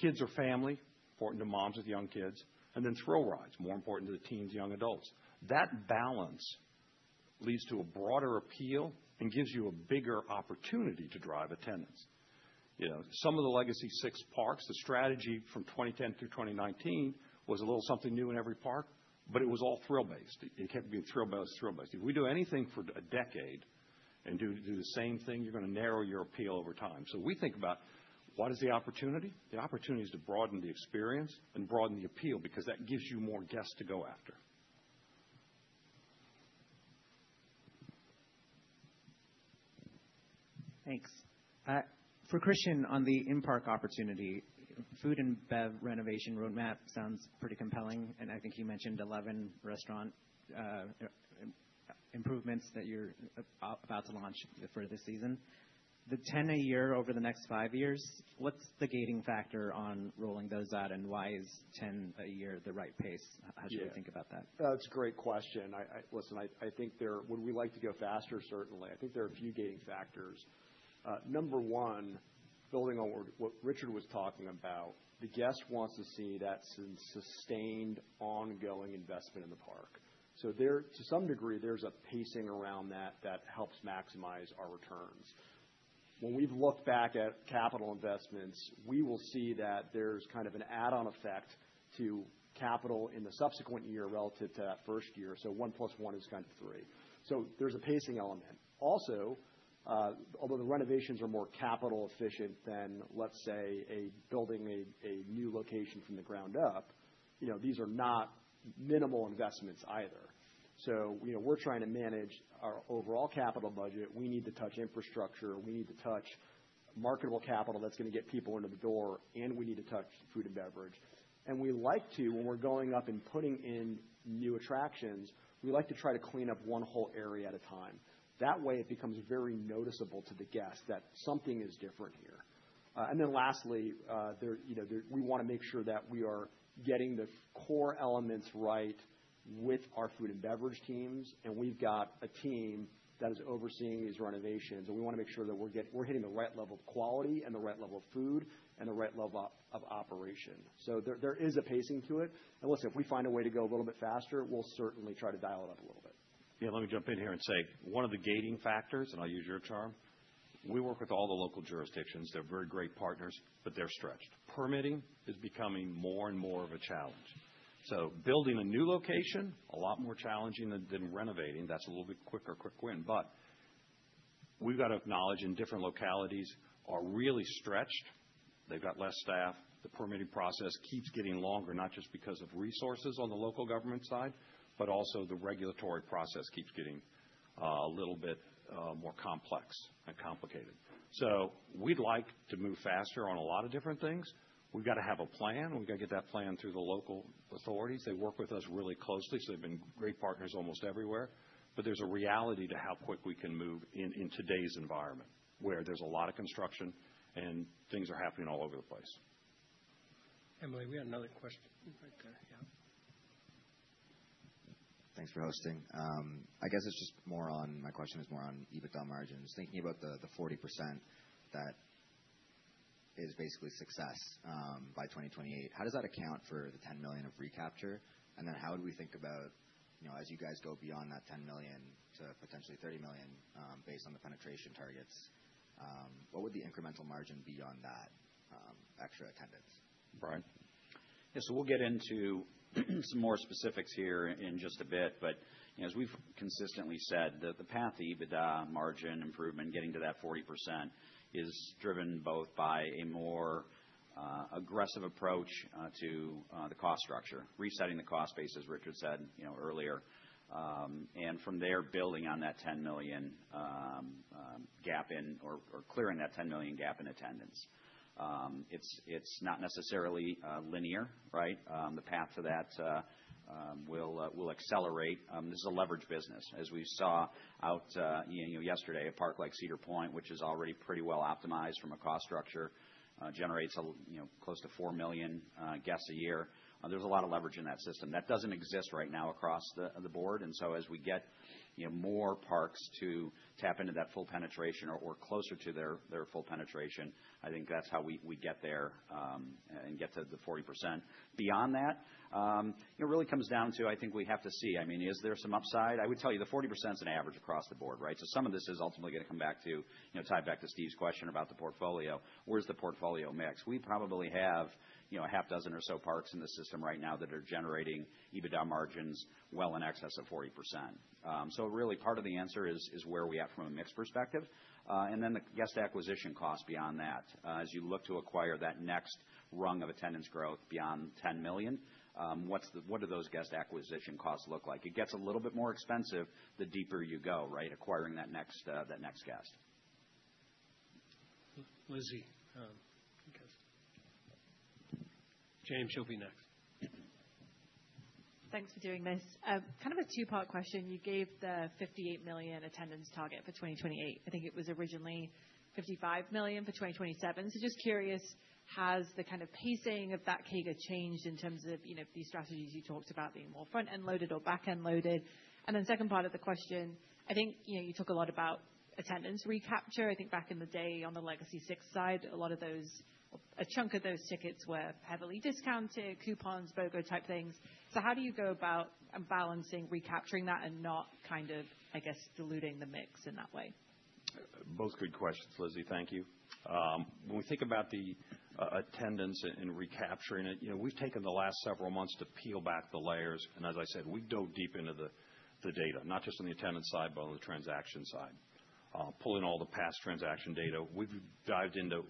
[SPEAKER 5] kids or family, important to moms with young kids, and then thrill rides, more important to the teens, young adults. That balance leads to a broader appeal and gives you a bigger opportunity to drive attendance. Some of the legacy Six Flags parks, the strategy from 2010 through 2019 was a little something new in every park, but it was all thrill-based. It kept being thrill-based. If we do anything for a decade and do the same thing, you're going to narrow your appeal over time. I think about what is the opportunity? The opportunity is to broaden the experience and broaden the appeal because that gives you more guests to go after.
[SPEAKER 8] Thanks. For Christian on the in-park opportunity, food and beverage renovation roadmap sounds pretty compelling. I think you mentioned 11 restaurant improvements that you're about to launch for this season. The 10 a year over the next five years, what's the gating factor on rolling those out, and why is 10 a year the right pace? How should we think about that?
[SPEAKER 5] That's a great question. Listen, I think there—would we like to go faster? Certainly. I think there are a few gating factors. Number one, building on what Richard was talking about, the guest wants to see that sustained ongoing investment in the park. To some degree, there's a pacing around that that helps maximize our returns. When we've looked back at capital investments, we will see that there's kind of an add-on effect to capital in the subsequent year relative to that first year. One plus one is kind of three. There's a pacing element. Also, although the renovations are more capital efficient than, let's say, building a new location from the ground up, these are not minimal investments either. We're trying to manage our overall capital budget. We need to touch infrastructure. We need to touch marketable capital that's going to get people into the door. We need to touch food and beverage. We like to, when we're going up and putting in new attractions, try to clean up one whole area at a time. That way, it becomes very noticeable to the guest that something is different here. Lastly, we want to make sure that we are getting the core elements right with our food and beverage teams. We have a team that is overseeing these renovations. We want to make sure that we're hitting the right level of quality and the right level of food and the right level of operation. There is a pacing to it. If we find a way to go a little bit faster, we'll certainly try to dial it up a little bit.
[SPEAKER 7] Yeah. Let me jump in here and say one of the gating factors, and I'll use your term. We work with all the local jurisdictions. They're very great partners, but they're stretched. Permitting is becoming more and more of a challenge. Building a new location is a lot more challenging than renovating. That's a little bit quicker, quick win. We've got to acknowledge different localities are really stretched. They've got less staff. The permitting process keeps getting longer, not just because of resources on the local government side, but also the regulatory process keeps getting a little bit more complex and complicated. We'd like to move faster on a lot of different things. We've got to have a plan. We've got to get that plan through the local authorities. They work with us really closely. They've been great partners almost everywhere.
[SPEAKER 5] There's a reality to how quick we can move in today's environment where there's a lot of construction and things are happening all over the place.
[SPEAKER 1] Emily, we had another question. Right there. Yeah.
[SPEAKER 7] Thanks for hosting. I guess it's just more on my question is more on EBITDA margins. Thinking about the 40% that is basically success by 2028, how does that account for the 10 million of recapture? And then how do we think about as you guys go beyond that 10 million to potentially 30 million based on the penetration targets, what would the incremental margin be on that extra attendance?
[SPEAKER 5] Brian.
[SPEAKER 7] Yeah, so we'll get into some more specifics here in just a bit. As we've consistently said, the path to EBITDA margin improvement, getting to that 40%, is driven both by a more aggressive approach to the cost structure, resetting the cost base, as Richard said earlier, and from there building on that $10 million gap in or clearing that $10 million gap in attendance. It's not necessarily linear, right? The path to that will accelerate. This is a leverage business. As we saw out yesterday, a park like Cedar Point, which is already pretty well optimized from a cost structure, generates close to 4 million guests a year. There's a lot of leverage in that system. That doesn't exist right now across the board. As we get more parks to tap into that full penetration or closer to their full penetration, I think that's how we get there and get to the 40%. Beyond that, it really comes down to, I think we have to see, I mean, is there some upside? I would tell you the 40% is an average across the board, right? Some of this is ultimately going to come back to tie back to Steve's question about the portfolio. Where's the portfolio mix? We probably have a half dozen or so parks in the system right now that are generating EBITDA margins well in excess of 40%. Part of the answer is where we are at from a mix perspective. And then the guest acquisition cost beyond that. As you look to acquire that next rung of attendance growth beyond 10 million, what do those guest acquisition costs look like? It gets a little bit more expensive the deeper you go, right, acquiring that next guest.
[SPEAKER 1] Lizzie, you guys. James, you'll be next.
[SPEAKER 9] Thanks for doing this. Kind of a two-part question. You gave the 58 million attendance target for 2028. I think it was originally 55 million for 2027. Just curious, has the kind of pacing of that CAGR changed in terms of these strategies you talked about being more front-end loaded or back-end loaded? The second part of the question, I think you talk a lot about attendance recapture. I think back in the day on the legacy Six side, a lot of those, a chunk of those tickets were heavily discounted, coupons, BOGO type things. How do you go about balancing recapturing that and not kind of, I guess, diluting the mix in that way?
[SPEAKER 5] Both good questions, Lizzie. Thank you. When we think about the attendance and recapturing it, we've taken the last several months to peel back the layers. As I said, we dug deep into the data, not just on the attendance side, but on the transaction side, pulling all the past transaction data. We've dived into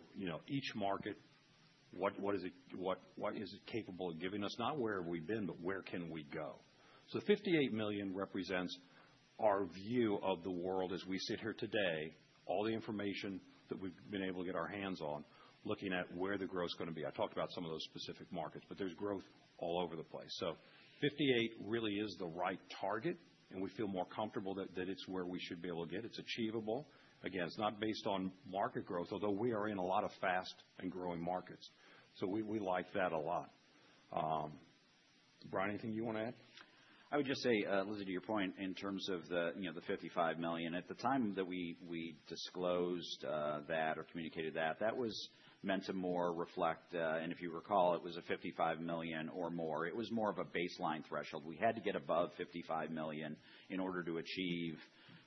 [SPEAKER 5] each market. What is it capable of giving us? Not where have we been, but where can we go? 58 million represents our view of the world as we sit here today, all the information that we've been able to get our hands on, looking at where the growth is going to be. I talked about some of those specific markets, but there's growth all over the place. 58 really is the right target. We feel more comfortable that it's where we should be able to get. It's achievable. Again, it's not based on market growth, although we are in a lot of fast and growing markets. So we like that a lot. Brian, anything you want to add? I would just say, Lizzie, to your point in terms of the $55 million, at the time that we disclosed that or communicated that, that was meant to more reflect, and if you recall, it was a $55 million or more. It was more of a baseline threshold. We had to get above $55 million in order to achieve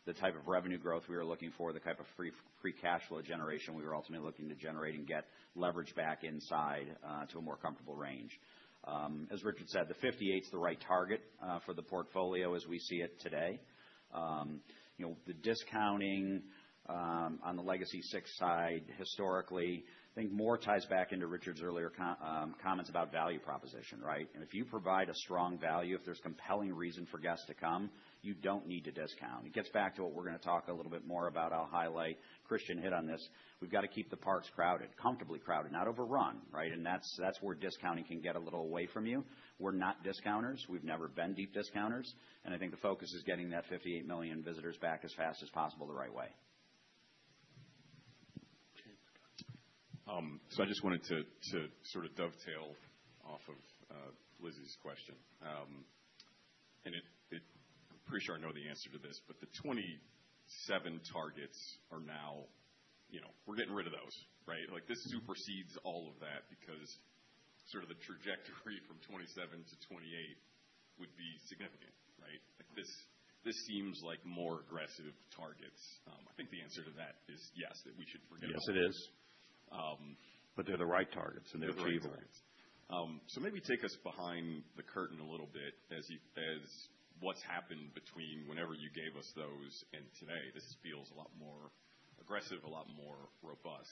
[SPEAKER 5] the type of revenue growth we were looking for, the type of free cash flow generation we were ultimately looking to generate and get leverage back inside to a more comfortable range. As Richard said, the $58 million is the right target for the portfolio as we see it today. The discounting on the legacy Six side historically, I think more ties back into Richard's earlier comments about value proposition, right? If you provide a strong value, if there is compelling reason for guests to come, you do not need to discount. It gets back to what we're going to talk a little bit more about. I'll highlight Christian hit on this. We've got to keep the parks crowded, comfortably crowded, not overrun, right? That's where discounting can get a little away from you. We're not discounters. We've never been deep discounters. I think the focus is getting that 58 million visitors back as fast as possible the right way.
[SPEAKER 1] James.
[SPEAKER 4] I just wanted to sort of dovetail off of Lizzie's question. I'm pretty sure I know the answer to this, but the 2027 targets are now, we're getting rid of those, right? This supersedes all of that because sort of the trajectory from 2027 to 2028 would be significant, right? This seems like more aggressive targets. I think the answer to that is yes, that we should forget about them.
[SPEAKER 5] Yes, it is. They're the right targets, and they're achievable.
[SPEAKER 4] Maybe take us behind the curtain a little bit as to what's happened between whenever you gave us those and today. This feels a lot more aggressive, a lot more robust.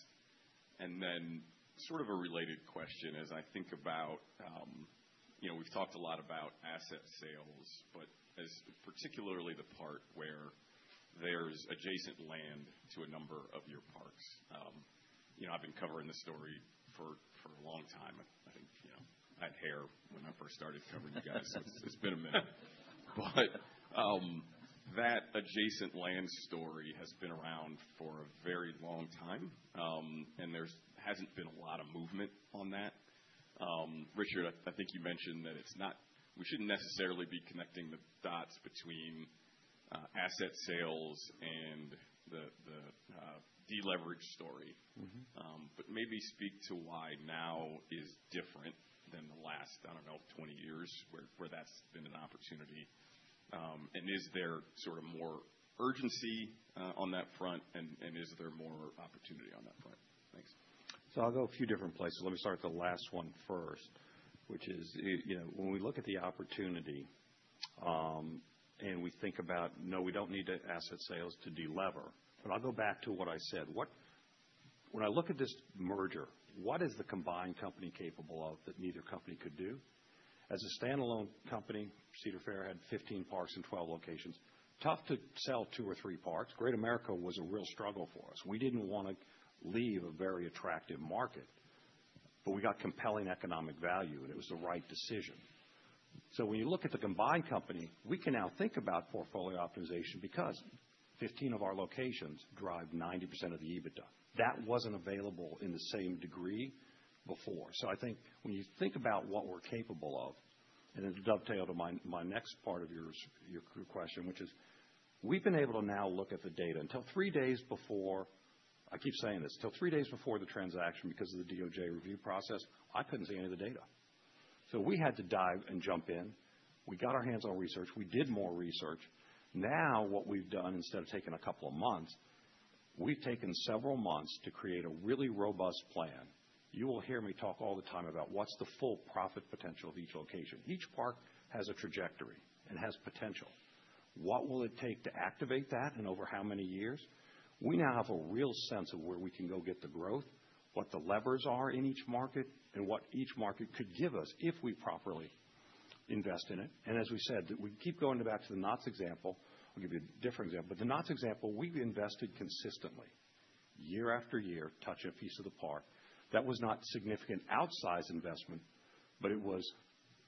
[SPEAKER 4] Sort of a related question as I think about, we've talked a lot about asset sales, but particularly the part where there's adjacent land to a number of your parks. I've been covering the story for a long time. I think I had hair when I first started covering you guys, so it's been a minute. That adjacent land story has been around for a very long time, and there hasn't been a lot of movement on that. Richard, I think you mentioned that we shouldn't necessarily be connecting the dots between asset sales and the deleverage story. Maybe speak to why now is different than the last, I don't know, 20 years where that's been an opportunity. Is there sort of more urgency on that front, and is there more opportunity on that front? Thanks.
[SPEAKER 5] I'll go a few different places. Let me start with the last one first, which is when we look at the opportunity and we think about, no, we don't need asset sales to delever. I'll go back to what I said. When I look at this merger, what is the combined company capable of that neither company could do? As a standalone company, Cedar Fair had 15 parks in 12 locations. Tough to sell two or three parks. Great America was a real struggle for us. We didn't want to leave a very attractive market, but we got compelling economic value, and it was the right decision. When you look at the combined company, we can now think about portfolio optimization because 15 of our locations drive 90% of the EBITDA. That wasn't available in the same degree before. I think when you think about what we're capable of, and it dovetailed to my next part of your question, which is we've been able to now look at the data until three days before—I keep saying this—until three days before the transaction because of the DOJ review process, I couldn't see any of the data. We had to dive and jump in. We got our hands on research. We did more research. Now what we've done instead of taking a couple of months, we've taken several months to create a really robust plan. You will hear me talk all the time about what's the full profit potential of each location. Each park has a trajectory and has potential. What will it take to activate that and over how many years? We now have a real sense of where we can go get the growth, what the levers are in each market, and what each market could give us if we properly invest in it. As we said, we keep going back to the Knott's example. I'll give you a different example. The Knott's example, we've invested consistently year after year, touching a piece of the park. That was not significant outsize investment, but it was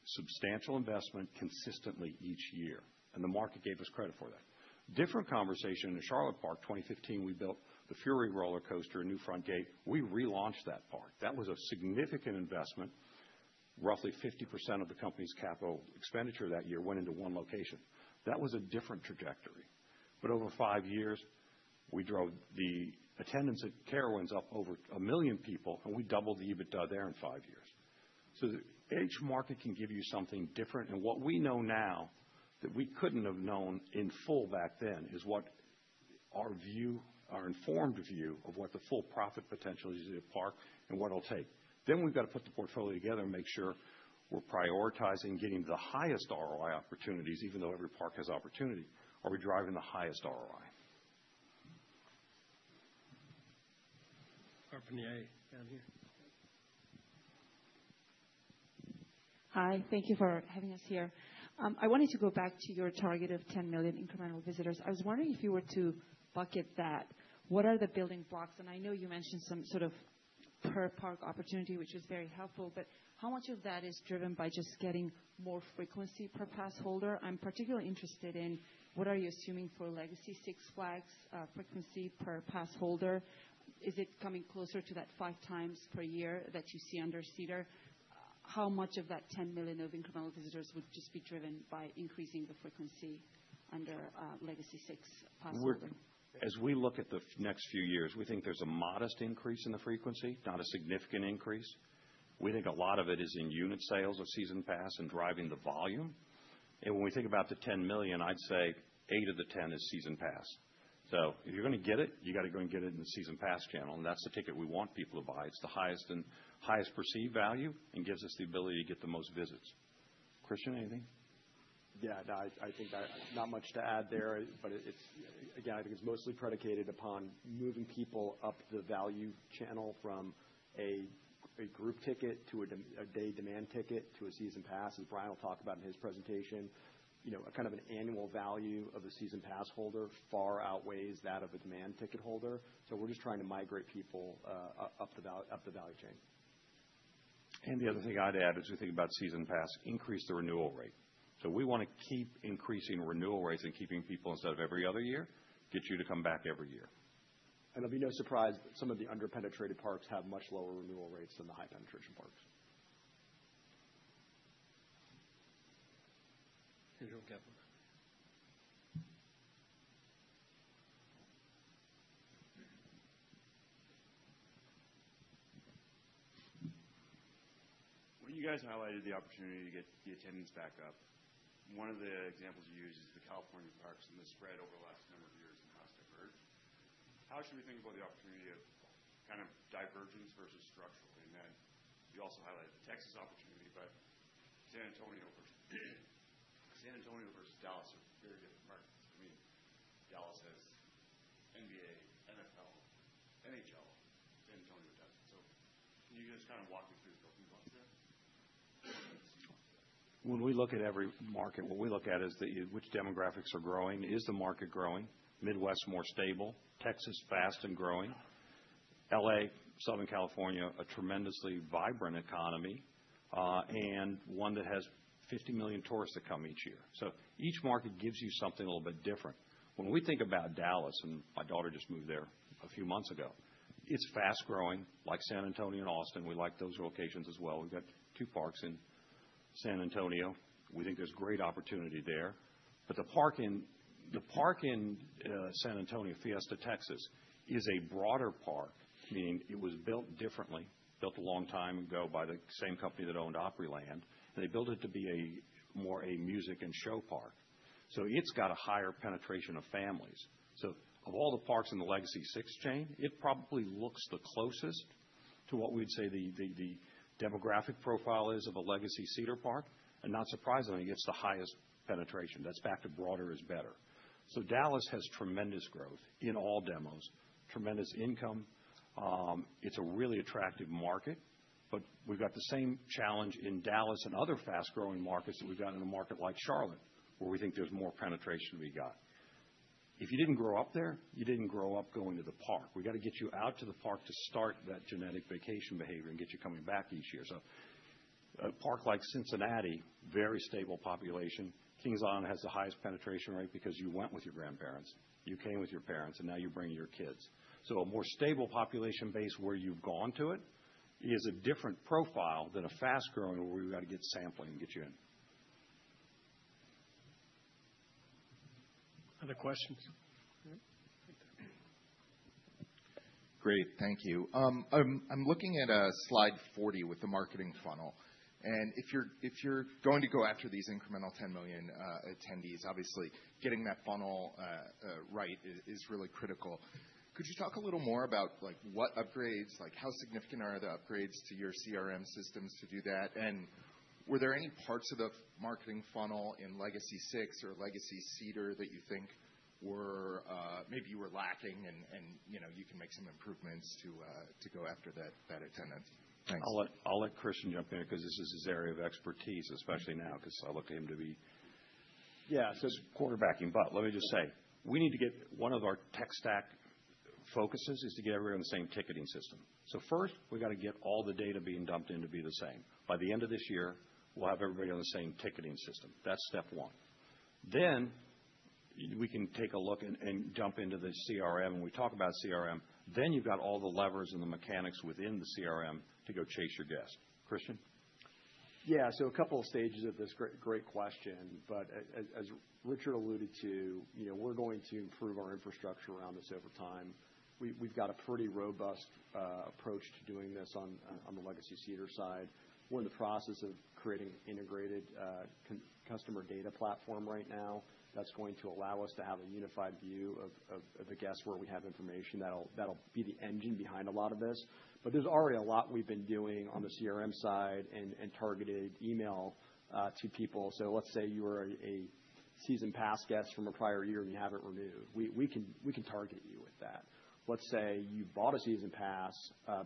[SPEAKER 5] substantial investment consistently each year. The market gave us credit for that. Different conversation in Charlotte Park, 2015, we built the Fury roller coaster, a new front gate. We relaunched that park. That was a significant investment. Roughly 50% of the company's capital expenditure that year went into one location. That was a different trajectory. Over five years, we drove the attendance at Carowinds up over a million people, and we doubled the EBITDA there in five years. Each market can give you something different. What we know now that we could not have known in full back then is what our informed view of what the full profit potential is in a park and what it will take. We have to put the portfolio together and make sure we are prioritizing getting the highest ROI opportunities, even though every park has opportunity. Are we driving the highest ROI?
[SPEAKER 1] Carpenter down here.
[SPEAKER 6] Hi. Thank you for having us here. I wanted to go back to your target of 10 million incremental visitors. I was wondering if you were to bucket that, what are the building blocks? I know you mentioned some sort of per park opportunity, which was very helpful, but how much of that is driven by just getting more frequency per pass holder? I'm particularly interested in what are you assuming for legacy Six Flags frequency per pass holder? Is it coming closer to that five times per year that you see under Cedar? How much of that 10 million of incremental visitors would just be driven by increasing the frequency under legacy Six Flags pass holder?
[SPEAKER 5] As we look at the next few years, we think there's a modest increase in the frequency, not a significant increase. We think a lot of it is in unit sales of season pass and driving the volume. When we think about the 10 million, I'd say 8 of the 10 is season pass. If you're going to get it, you got to go and get it in the season pass channel. That's the ticket we want people to buy. It's the highest perceived value and gives us the ability to get the most visits. Christian, anything?
[SPEAKER 3] Yeah, I think not much to add there. Again, I think it's mostly predicated upon moving people up the value channel from a group ticket to a day demand ticket to a season pass. As Brian will talk about in his presentation, kind of an annual value of a season pass holder far outweighs that of a demand ticket holder. We are just trying to migrate people up the value chain.
[SPEAKER 5] The other thing I'd add as we think about season pass, increase the renewal rate. We want to keep increasing renewal rates and keeping people instead of every other year, get you to come back every year.
[SPEAKER 3] It'll be no surprise that some of the under-penetrated parks have much lower renewal rates than the high-penetration parks.
[SPEAKER 1] Pedro Geffen.
[SPEAKER 6] When you guys highlighted the opportunity to get the attendance back up, one of the examples you used is the California parks and the spread over the last number of years in Costa Verde. How should we think about the opportunity of kind of divergence versus structural? I mean, you also highlighted the Texas opportunity, but San Antonio versus Dallas are very different markets. I mean, Dallas has NBA, NFL, NHL, San Antonio doesn't. Can you just kind of walk me through the building blocks there?
[SPEAKER 5] When we look at every market, what we look at is which demographics are growing. Is the market growing? Midwest more stable. Texas fast and growing. LA, Southern California, a tremendously vibrant economy and one that has 50 million tourists that come each year. Each market gives you something a little bit different. When we think about Dallas, and my daughter just moved there a few months ago, it's fast growing like San Antonio and Austin. We like those locations as well. We've got two parks in San Antonio. We think there's great opportunity there. The park in San Antonio, Fiesta, Texas is a broader park, meaning it was built differently, built a long time ago by the same company that owned Opryland. They built it to be more a music and show park. It's got a higher penetration of families. Of all the parks in the legacy Six chain, it probably looks the closest to what we'd say the demographic profile is of a legacy Cedar park. Not surprisingly, it's the highest penetration. That's back to broader is better. Dallas has tremendous growth in all demos, tremendous income. It's a really attractive market, but we've got the same challenge in Dallas and other fast-growing markets that we've got in a market like Charlotte, where we think there's more penetration to be got. If you didn't grow up there, you didn't grow up going to the park. We got to get you out to the park to start that genetic vacation behavior and get you coming back each year. A park like Cincinnati, very stable population, Kings Island has the highest penetration rate because you went with your grandparents. You came with your parents, and now you're bringing your kids. A more stable population base where you've gone to it is a different profile than a fast-growing where we've got to get sampling and get you in.
[SPEAKER 1] Other questions?
[SPEAKER 6] Great. Thank you. I'm looking at slide 40 with the marketing funnel. If you're going to go after these incremental 10 million attendees, obviously getting that funnel right is really critical. Could you talk a little more about what upgrades, how significant are the upgrades to your CRM systems to do that? Were there any parts of the marketing funnel in legacy Six or legacy Cedar that you think maybe you were lacking and you can make some improvements to go after that attendance? Thanks.
[SPEAKER 2] I'll let Christian jump in because this is his area of expertise, especially now, because I look at him to be.
[SPEAKER 5] Yeah, so it's quarterbacking, but let me just say, we need to get one of our tech stack focuses is to get everybody on the same ticketing system. First, we've got to get all the data being dumped in to be the same. By the end of this year, we'll have everybody on the same ticketing system. That's step one. Then we can take a look and jump into the CRM, and we talk about CRM. Then you've got all the levers and the mechanics within the CRM to go chase your guests. Christian?
[SPEAKER 3] Yeah, so a couple of stages of this, great question. As Richard alluded to, we're going to improve our infrastructure around this over time. We've got a pretty robust approach to doing this on the legacy Cedar side. We're in the process of creating an integrated customer data platform right now that's going to allow us to have a unified view of the guests where we have information that'll be the engine behind a lot of this. There's already a lot we've been doing on the CRM side and targeted email to people. Let's say you were a season pass guest from a prior year and you haven't renewed. We can target you with that. Let's say you bought a season pass,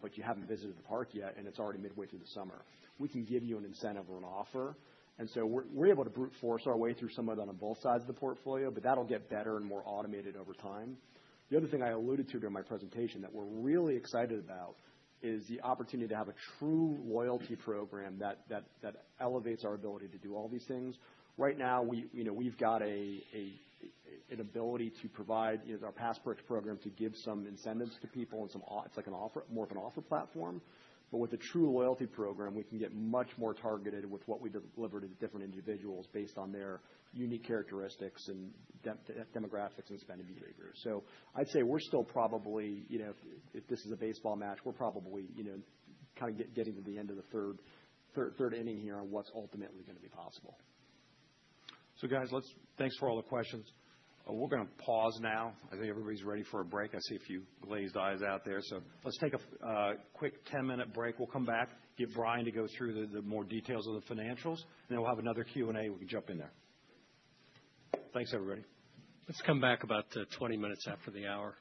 [SPEAKER 3] but you haven't visited the park yet, and it's already midway through the summer. We can give you an incentive or an offer. We're able to brute force our way through some of them on both sides of the portfolio, but that'll get better and more automated over time. The other thing I alluded to during my presentation that we're really excited about is the opportunity to have a true loyalty program that elevates our ability to do all these things. Right now, we've got an ability to provide our passports program to give some incentives to people. It's like more of an offer platform. With a true loyalty program, we can get much more targeted with what we deliver to different individuals based on their unique characteristics and demographics and spending behavior. I'd say we're still probably, if this is a baseball match, we're probably kind of getting to the end of the third inning here on what's ultimately going to be possible.
[SPEAKER 2] So guys, thanks for all the questions. We're going to pause now. I think everybody's ready for a break. I see a few glazed eyes out there. Let's take a quick 10-minute break. We'll come back, give Brian to go through the more details of the financials, and then we'll have another Q&A. We can jump in there. Thanks, everybody.
[SPEAKER 5] Let's come back about 20 minutes after the hour.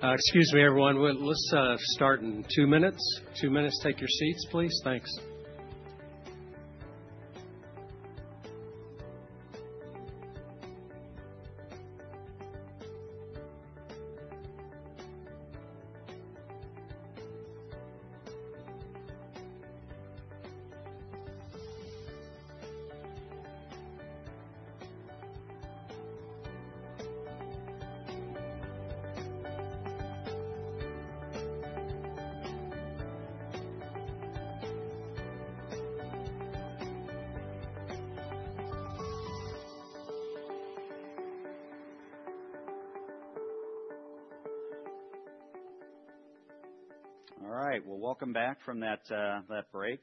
[SPEAKER 5] Excuse me, everyone. Let's start in two minutes. Two minutes, take your seats, please. Thanks. All right. Welcome back from that break.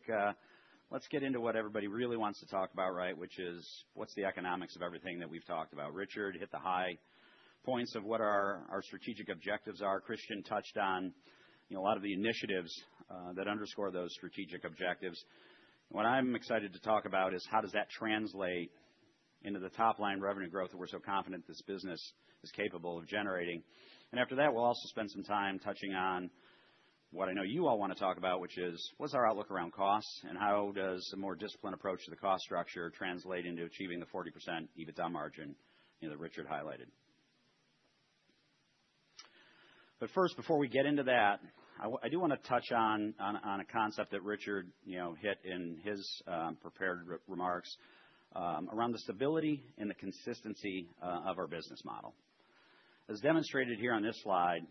[SPEAKER 5] Let's get into what everybody really wants to talk about, right, which is what's the economics of everything that we've talked about. Richard hit the high points of what our strategic objectives are. Christian touched on a lot of the initiatives that underscore those strategic objectives. What I'm excited to talk about is how does that translate into the top-line revenue growth that we're so confident this business is capable of generating. After that, we'll also spend some time touching on what I know you all want to talk about, which is what's our outlook around costs and how does a more disciplined approach to the cost structure translate into achieving the 40% EBITDA margin that Richard highlighted. First, before we get into that, I do want to touch on a concept that Richard hit in his prepared remarks around the stability and the consistency of our business model. As demonstrated here on this slide,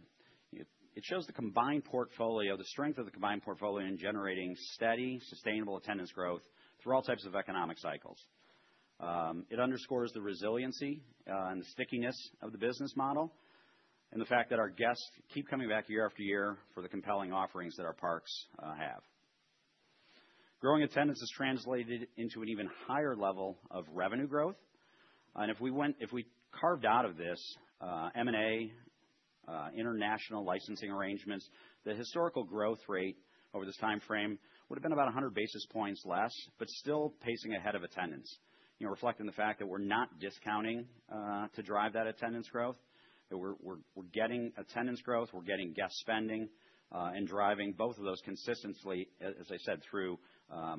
[SPEAKER 5] it shows the combined portfolio, the strength of the combined portfolio in generating steady, sustainable attendance growth through all types of economic cycles. It underscores the resiliency and the stickiness of the business model and the fact that our guests keep coming back year after year for the compelling offerings that our parks have. Growing attendance is translated into an even higher level of revenue growth. If we carved out of this M&A international licensing arrangements, the historical growth rate over this time frame would have been about 100 basis points less, but still pacing ahead of attendance, reflecting the fact that we're not discounting to drive that attendance growth. We're getting attendance growth. We're getting guest spending and driving both of those consistently, as I said, through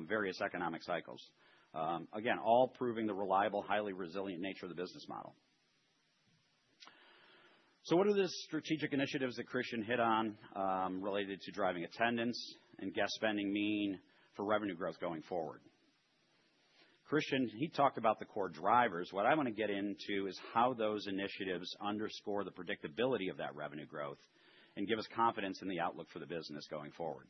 [SPEAKER 5] various economic cycles. Again, all proving the reliable, highly resilient nature of the business model. What do the strategic initiatives that Christian hit on related to driving attendance and guest spending mean for revenue growth going forward? Christian, he talked about the core drivers. What I want to get into is how those initiatives underscore the predictability of that revenue growth and give us confidence in the outlook for the business going forward.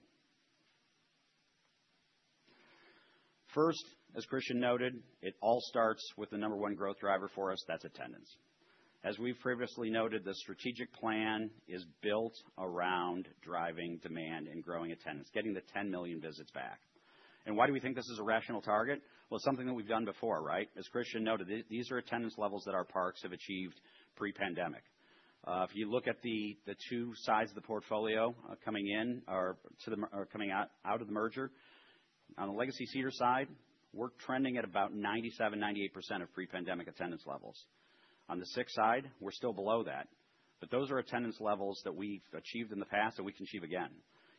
[SPEAKER 5] First, as Christian noted, it all starts with the number one growth driver for us. That's attendance. As we've previously noted, the strategic plan is built around driving demand and growing attendance, getting the 10 million visits back. Why do we think this is a rational target? It's something that we've done before, right? As Christian noted, these are attendance levels that our parks have achieved pre-pandemic. If you look at the two sides of the portfolio coming in or coming out of the merger, on the legacy Cedar side, we're trending at about 97-98% of pre-pandemic attendance levels. On the Six side, we're still below that. Those are attendance levels that we've achieved in the past that we can achieve again.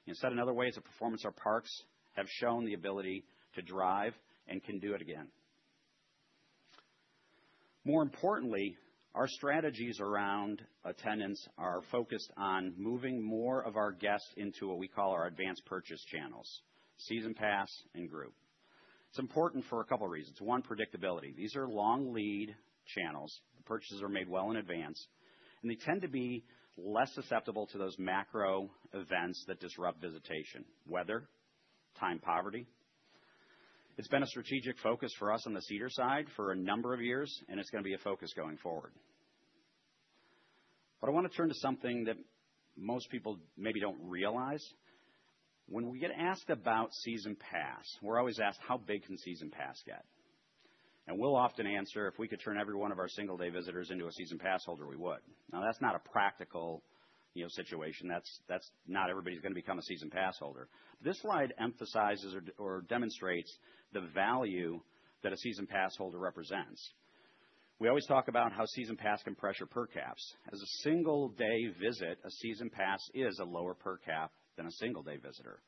[SPEAKER 5] Instead, in other ways, the performance our parks have shown the ability to drive and can do it again. More importantly, our strategies around attendance are focused on moving more of our guests into what we call our advanced purchase channels, season pass and group. It's important for a couple of reasons. One, predictability. These are long lead channels. The purchases are made well in advance, and they tend to be less susceptible to those macro events that disrupt visitation: weather, time, poverty. It's been a strategic focus for us on the Cedar side for a number of years, and it's going to be a focus going forward. I want to turn to something that most people maybe don't realize. When we get asked about season pass, we're always asked, "How big can season pass get?" We'll often answer, "If we could turn every one of our single-day visitors into a season pass holder, we would." Now, that's not a practical situation. That's not everybody's going to become a season pass holder. This slide emphasizes or demonstrates the value that a season pass holder represents. We always talk about how season pass can pressure per caps. As a single-day visit, a season pass is a lower per cap than a single-day visitor.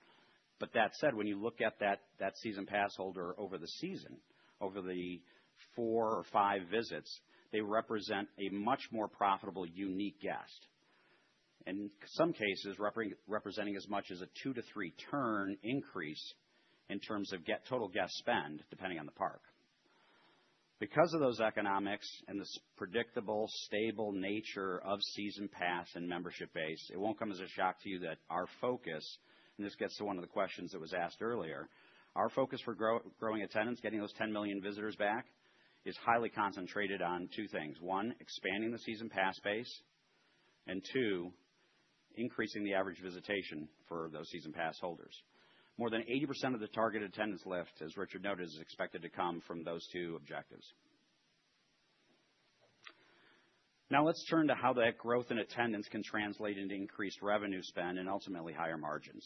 [SPEAKER 5] That said, when you look at that season pass holder over the season, over the four or five visits, they represent a much more profitable, unique guest, and in some cases, representing as much as a two- to three-turn increase in terms of total guest spend, depending on the park. Because of those economics and the predictable, stable nature of season pass and membership base, it won't come as a shock to you that our focus—and this gets to one of the questions that was asked earlier—our focus for growing attendance, getting those 10 million visitors back, is highly concentrated on two things: one, expanding the season pass base; and two, increasing the average visitation for those season pass holders. More than 80% of the target attendance lift, as Richard noted, is expected to come from those two objectives. Now, let's turn to how that growth in attendance can translate into increased revenue spend and ultimately higher margins.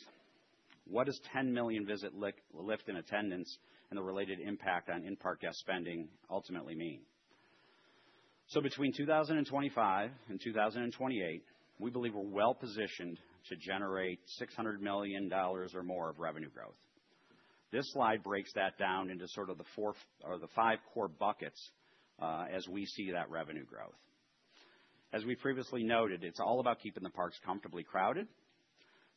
[SPEAKER 5] What does 10 million visit lift in attendance and the related impact on in-park guest spending ultimately mean? Between 2025 and 2028, we believe we're well positioned to generate $600 million or more of revenue growth. This slide breaks that down into sort of the five core buckets as we see that revenue growth. As we previously noted, it's all about keeping the parks comfortably crowded.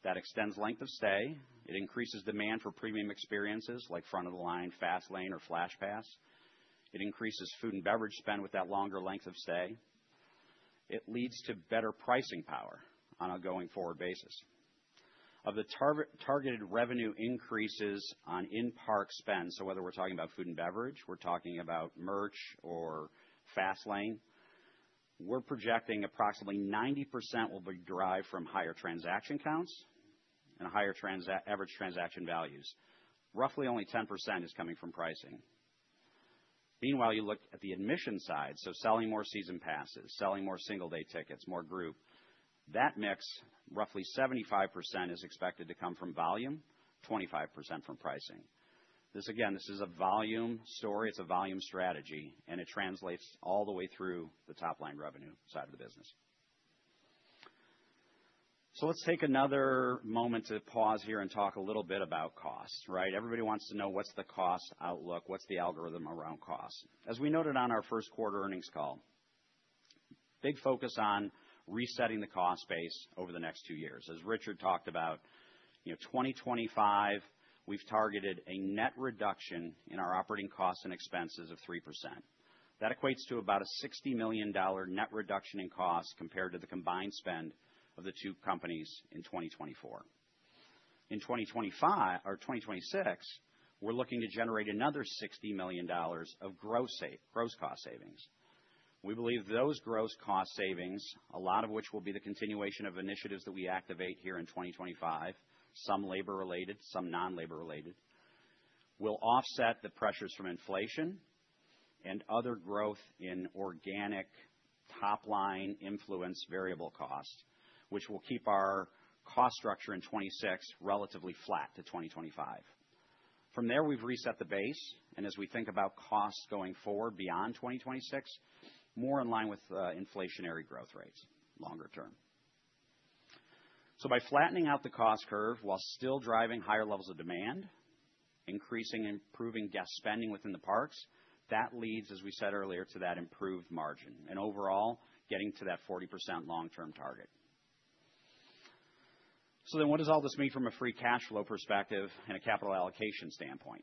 [SPEAKER 5] That extends length of stay. It increases demand for premium experiences like front-of-the-line, fast lane, or flash pass. It increases food and beverage spend with that longer length of stay. It leads to better pricing power on a going-forward basis. Of the targeted revenue increases on in-park spend, so whether we're talking about food and beverage, we're talking about merch, or fast lane, we're projecting approximately 90% will be derived from higher transaction counts and higher average transaction values. Roughly only 10% is coming from pricing. Meanwhile, you look at the admission side, so selling more season passes, selling more single-day tickets, more group, that mix, roughly 75% is expected to come from volume, 25% from pricing. Again, this is a volume story. It's a volume strategy, and it translates all the way through the top-line revenue side of the business. Let's take another moment to pause here and talk a little bit about costs, right? Everybody wants to know what's the cost outlook, what's the algorithm around costs. As we noted on our first quarter earnings call, big focus on resetting the cost base over the next two years. As Richard talked about, 2025, we've targeted a net reduction in our operating costs and expenses of 3%. That equates to about a $60 million net reduction in costs compared to the combined spend of the two companies in 2024. In 2025 or 2026, we're looking to generate another $60 million of gross cost savings. We believe those gross cost savings, a lot of which will be the continuation of initiatives that we activate here in 2025, some labor-related, some non-labor-related, will offset the pressures from inflation and other growth in organic top-line influence variable costs, which will keep our cost structure in 2026 relatively flat to 2025. From there, we've reset the base. As we think about costs going forward beyond 2026, more in line with inflationary growth rates longer term. By flattening out the cost curve while still driving higher levels of demand, increasing and improving guest spending within the parks, that leads, as we said earlier, to that improved margin and overall getting to that 40% long-term target. What does all this mean from a free cash flow perspective and a capital allocation standpoint?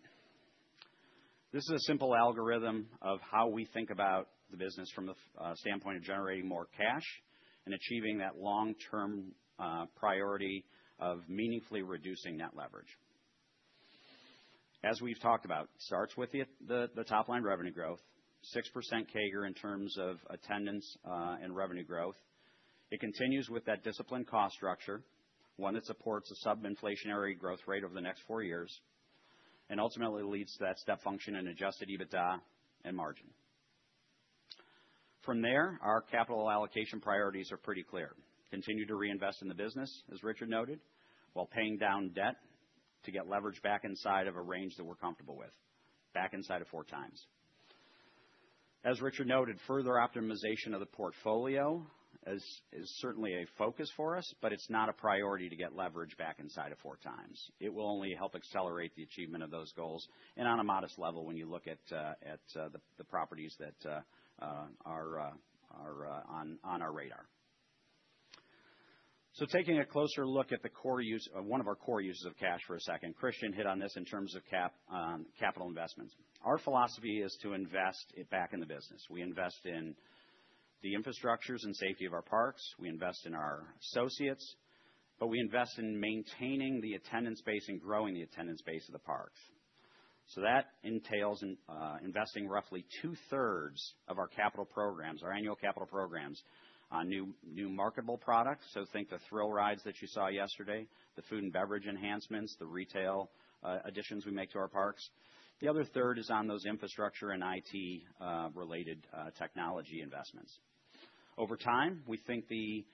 [SPEAKER 5] This is a simple algorithm of how we think about the business from the standpoint of generating more cash and achieving that long-term priority of meaningfully reducing net leverage. As we've talked about, it starts with the top-line revenue growth, 6% CAGR in terms of attendance and revenue growth. It continues with that disciplined cost structure, one that supports a sub-inflationary growth rate over the next four years, and ultimately leads to that step function in adjusted EBITDA and margin. From there, our capital allocation priorities are pretty clear. Continue to reinvest in the business, as Richard noted, while paying down debt to get leverage back inside of a range that we're comfortable with, back inside of four times. As Richard noted, further optimization of the portfolio is certainly a focus for us, but it's not a priority to get leverage back inside of four times. It will only help accelerate the achievement of those goals and on a modest level when you look at the properties that are on our radar. Taking a closer look at one of our core uses of cash for a second, Christian hit on this in terms of capital investments. Our philosophy is to invest it back in the business. We invest in the infrastructures and safety of our parks. We invest in our associates, but we invest in maintaining the attendance base and growing the attendance base of the parks. That entails investing roughly two-thirds of our capital programs, our annual capital programs, on new marketable products. Think the thrill rides that you saw yesterday, the food and beverage enhancements, the retail additions we make to our parks. The other third is on those infrastructure and IT-related technology investments. Over time, we think the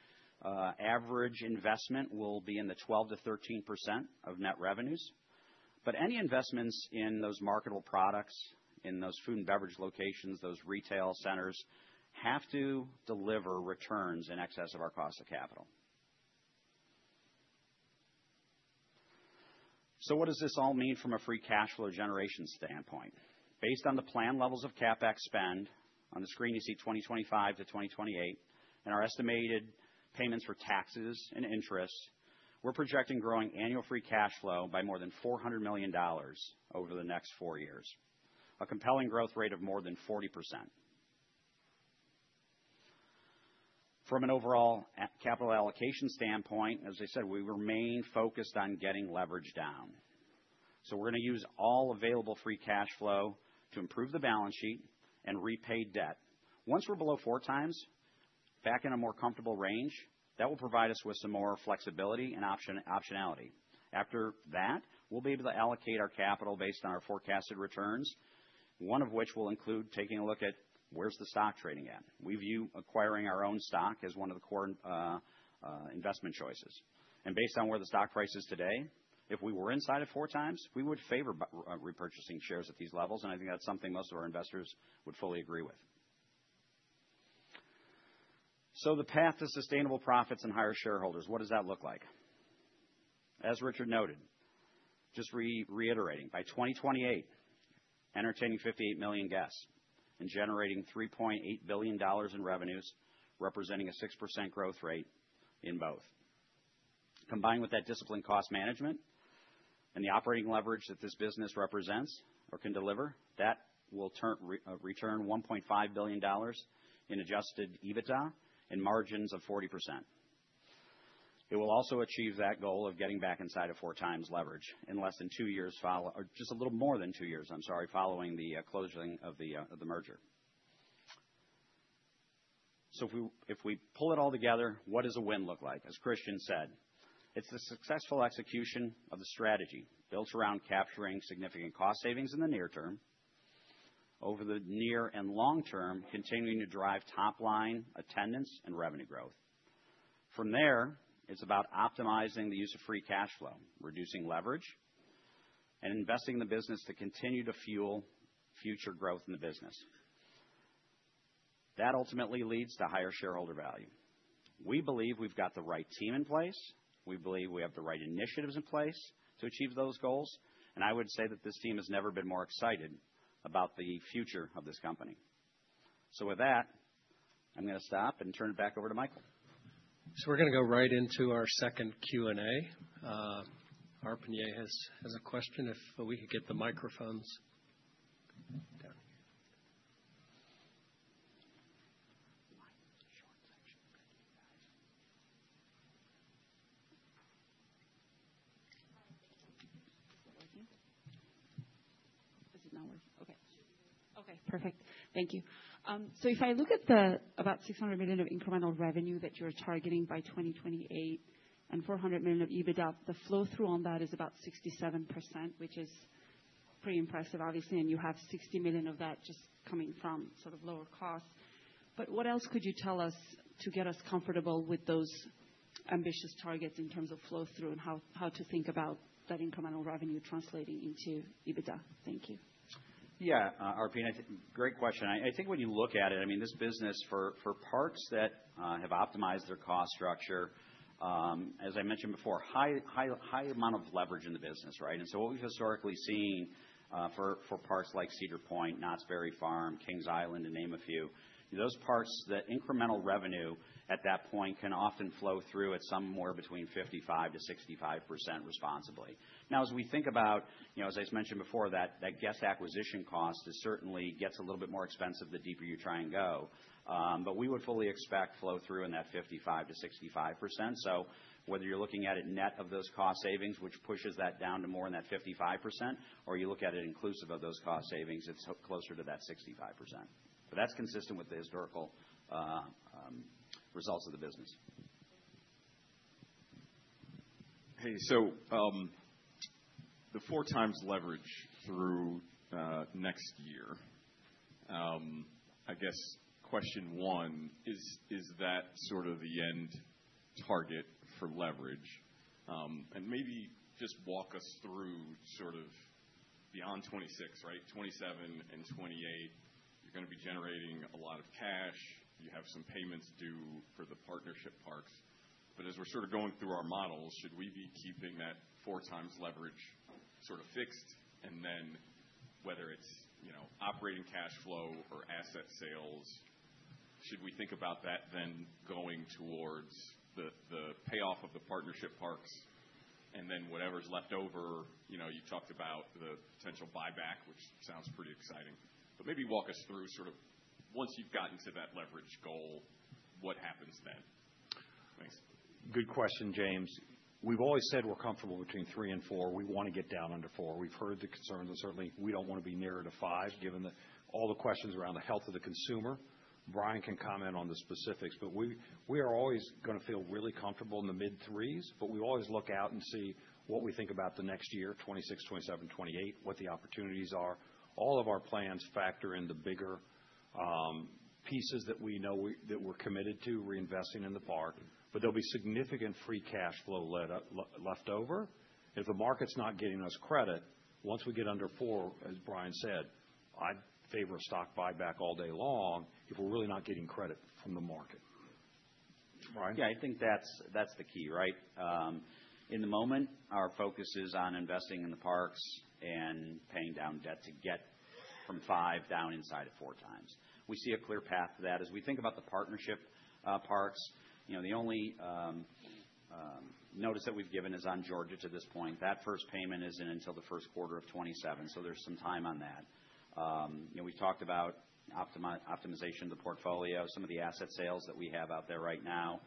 [SPEAKER 5] average investment will be in the 12-13% of net revenues. But any investments in those marketable products, in those food and beverage locations, those retail centers have to deliver returns in excess of our cost of capital. So what does this all mean from a free cash flow generation standpoint? Based on the planned levels of CapEx spend, on the screen you see 2025 to 2028, and our estimated payments for taxes and interest, we're projecting growing annual free cash flow by more than $400 million over the next four years, a compelling growth rate of more than 40%. From an overall capital allocation standpoint, as I said, we remain focused on getting leverage down. So we're going to use all available free cash flow to improve the balance sheet and repay debt. Once we're below four times, back in a more comfortable range, that will provide us with some more flexibility and optionality. After that, we'll be able to allocate our capital based on our forecasted returns, one of which will include taking a look at where's the stock trading at. We view acquiring our own stock as one of the core investment choices. Based on where the stock price is today, if we were inside of four times, we would favor repurchasing shares at these levels. I think that's something most of our investors would fully agree with. The path to sustainable profits and higher shareholders, what does that look like? As Richard noted, just reiterating, by 2028, entertaining 58 million guests and generating $3.8 billion in revenues, representing a 6% growth rate in both. Combined with that disciplined cost management and the operating leverage that this business represents or can deliver, that will return $1.5 billion in adjusted EBITDA and margins of 40%. It will also achieve that goal of getting back inside of four times leverage in less than two years, just a little more than two years, I'm sorry, following the closing of the merger. If we pull it all together, what does a win look like? As Christian said, it's the successful execution of the strategy built around capturing significant cost savings in the near term, over the near and long term, continuing to drive top-line attendance and revenue growth. From there, it's about optimizing the use of free cash flow, reducing leverage, and investing in the business to continue to fuel future growth in the business. That ultimately leads to higher shareholder value. We believe we've got the right team in place. We believe we have the right initiatives in place to achieve those goals. I would say that this team has never been more excited about the future of this company. With that, I'm going to stop and turn it back over to Michael.
[SPEAKER 1] We're going to go right into our second Q&A. Arpigné has a question if we could get the microphones.
[SPEAKER 6] Short section of good news, guys. Is it working? Is it not working? Okay. Okay. Perfect. Thank you. If I look at the about $600 million of incremental revenue that you're targeting by 2028 and $400 million of EBITDA, the flow-through on that is about 67%, which is pretty impressive, obviously, and you have $60 million of that just coming from sort of lower costs. What else could you tell us to get us comfortable with those ambitious targets in terms of flow-through and how to think about that incremental revenue translating into EBITDA? Thank you.
[SPEAKER 5] Yeah, Arpigné, great question. I think when you look at it, I mean, this business for parks that have optimized their cost structure, as I mentioned before, high amount of leverage in the business, right? And so what we've historically seen for parks like Cedar Point, Knott's Berry Farm, Kings Island, to name a few, those parks, that incremental revenue at that point can often flow through at somewhere between 55%-65% responsibly. Now, as we think about, as I mentioned before, that guest acquisition cost certainly gets a little bit more expensive the deeper you try and go. But we would fully expect flow-through in that 55%-65%. Whether you're looking at it net of those cost savings, which pushes that down to more than that 55%, or you look at it inclusive of those cost savings, it's closer to that 65%. That's consistent with the historical results of the business.
[SPEAKER 6] Hey, so the four times leverage through next year, I guess question one, is that sort of the end target for leverage? And maybe just walk us through sort of beyond 2026, right? 2027 and 2028, you're going to be generating a lot of cash. You have some payments due for the partnership parks. But as we're sort of going through our models, should we be keeping that four times leverage sort of fixed? And then whether it's operating cash flow or asset sales, should we think about that then going towards the payoff of the partnership parks? And then whatever's left over, you talked about the potential buyback, which sounds pretty exciting. But maybe walk us through sort of once you've gotten to that leverage goal, what happens then? Thanks.
[SPEAKER 3] Good question, James. We've always said we're comfortable between three and four. We want to get down under four. We've heard the concerns and certainly we don't want to be nearer to five given all the questions around the health of the consumer. Brian can comment on the specifics, but we are always going to feel really comfortable in the mid-threes. We always look out and see what we think about the next year, 2026, 2027, 2028, what the opportunities are. All of our plans factor in the bigger pieces that we know that we're committed to reinvesting in the park. There will be significant free cash flow left over. If the market's not getting us credit, once we get under four, as Brian said, I'd favor a stock buyback all day long if we're really not getting credit from the market. Brian?
[SPEAKER 5] Yeah, I think that's the key, right? In the moment, our focus is on investing in the parks and paying down debt to get from five down inside of four times. We see a clear path to that. As we think about the partnership parks, the only notice that we've given is on Georgia to this point. That first payment isn't until the first quarter of 2027. So there's some time on that. We've talked about optimization of the portfolio, some of the asset sales that we have out there right now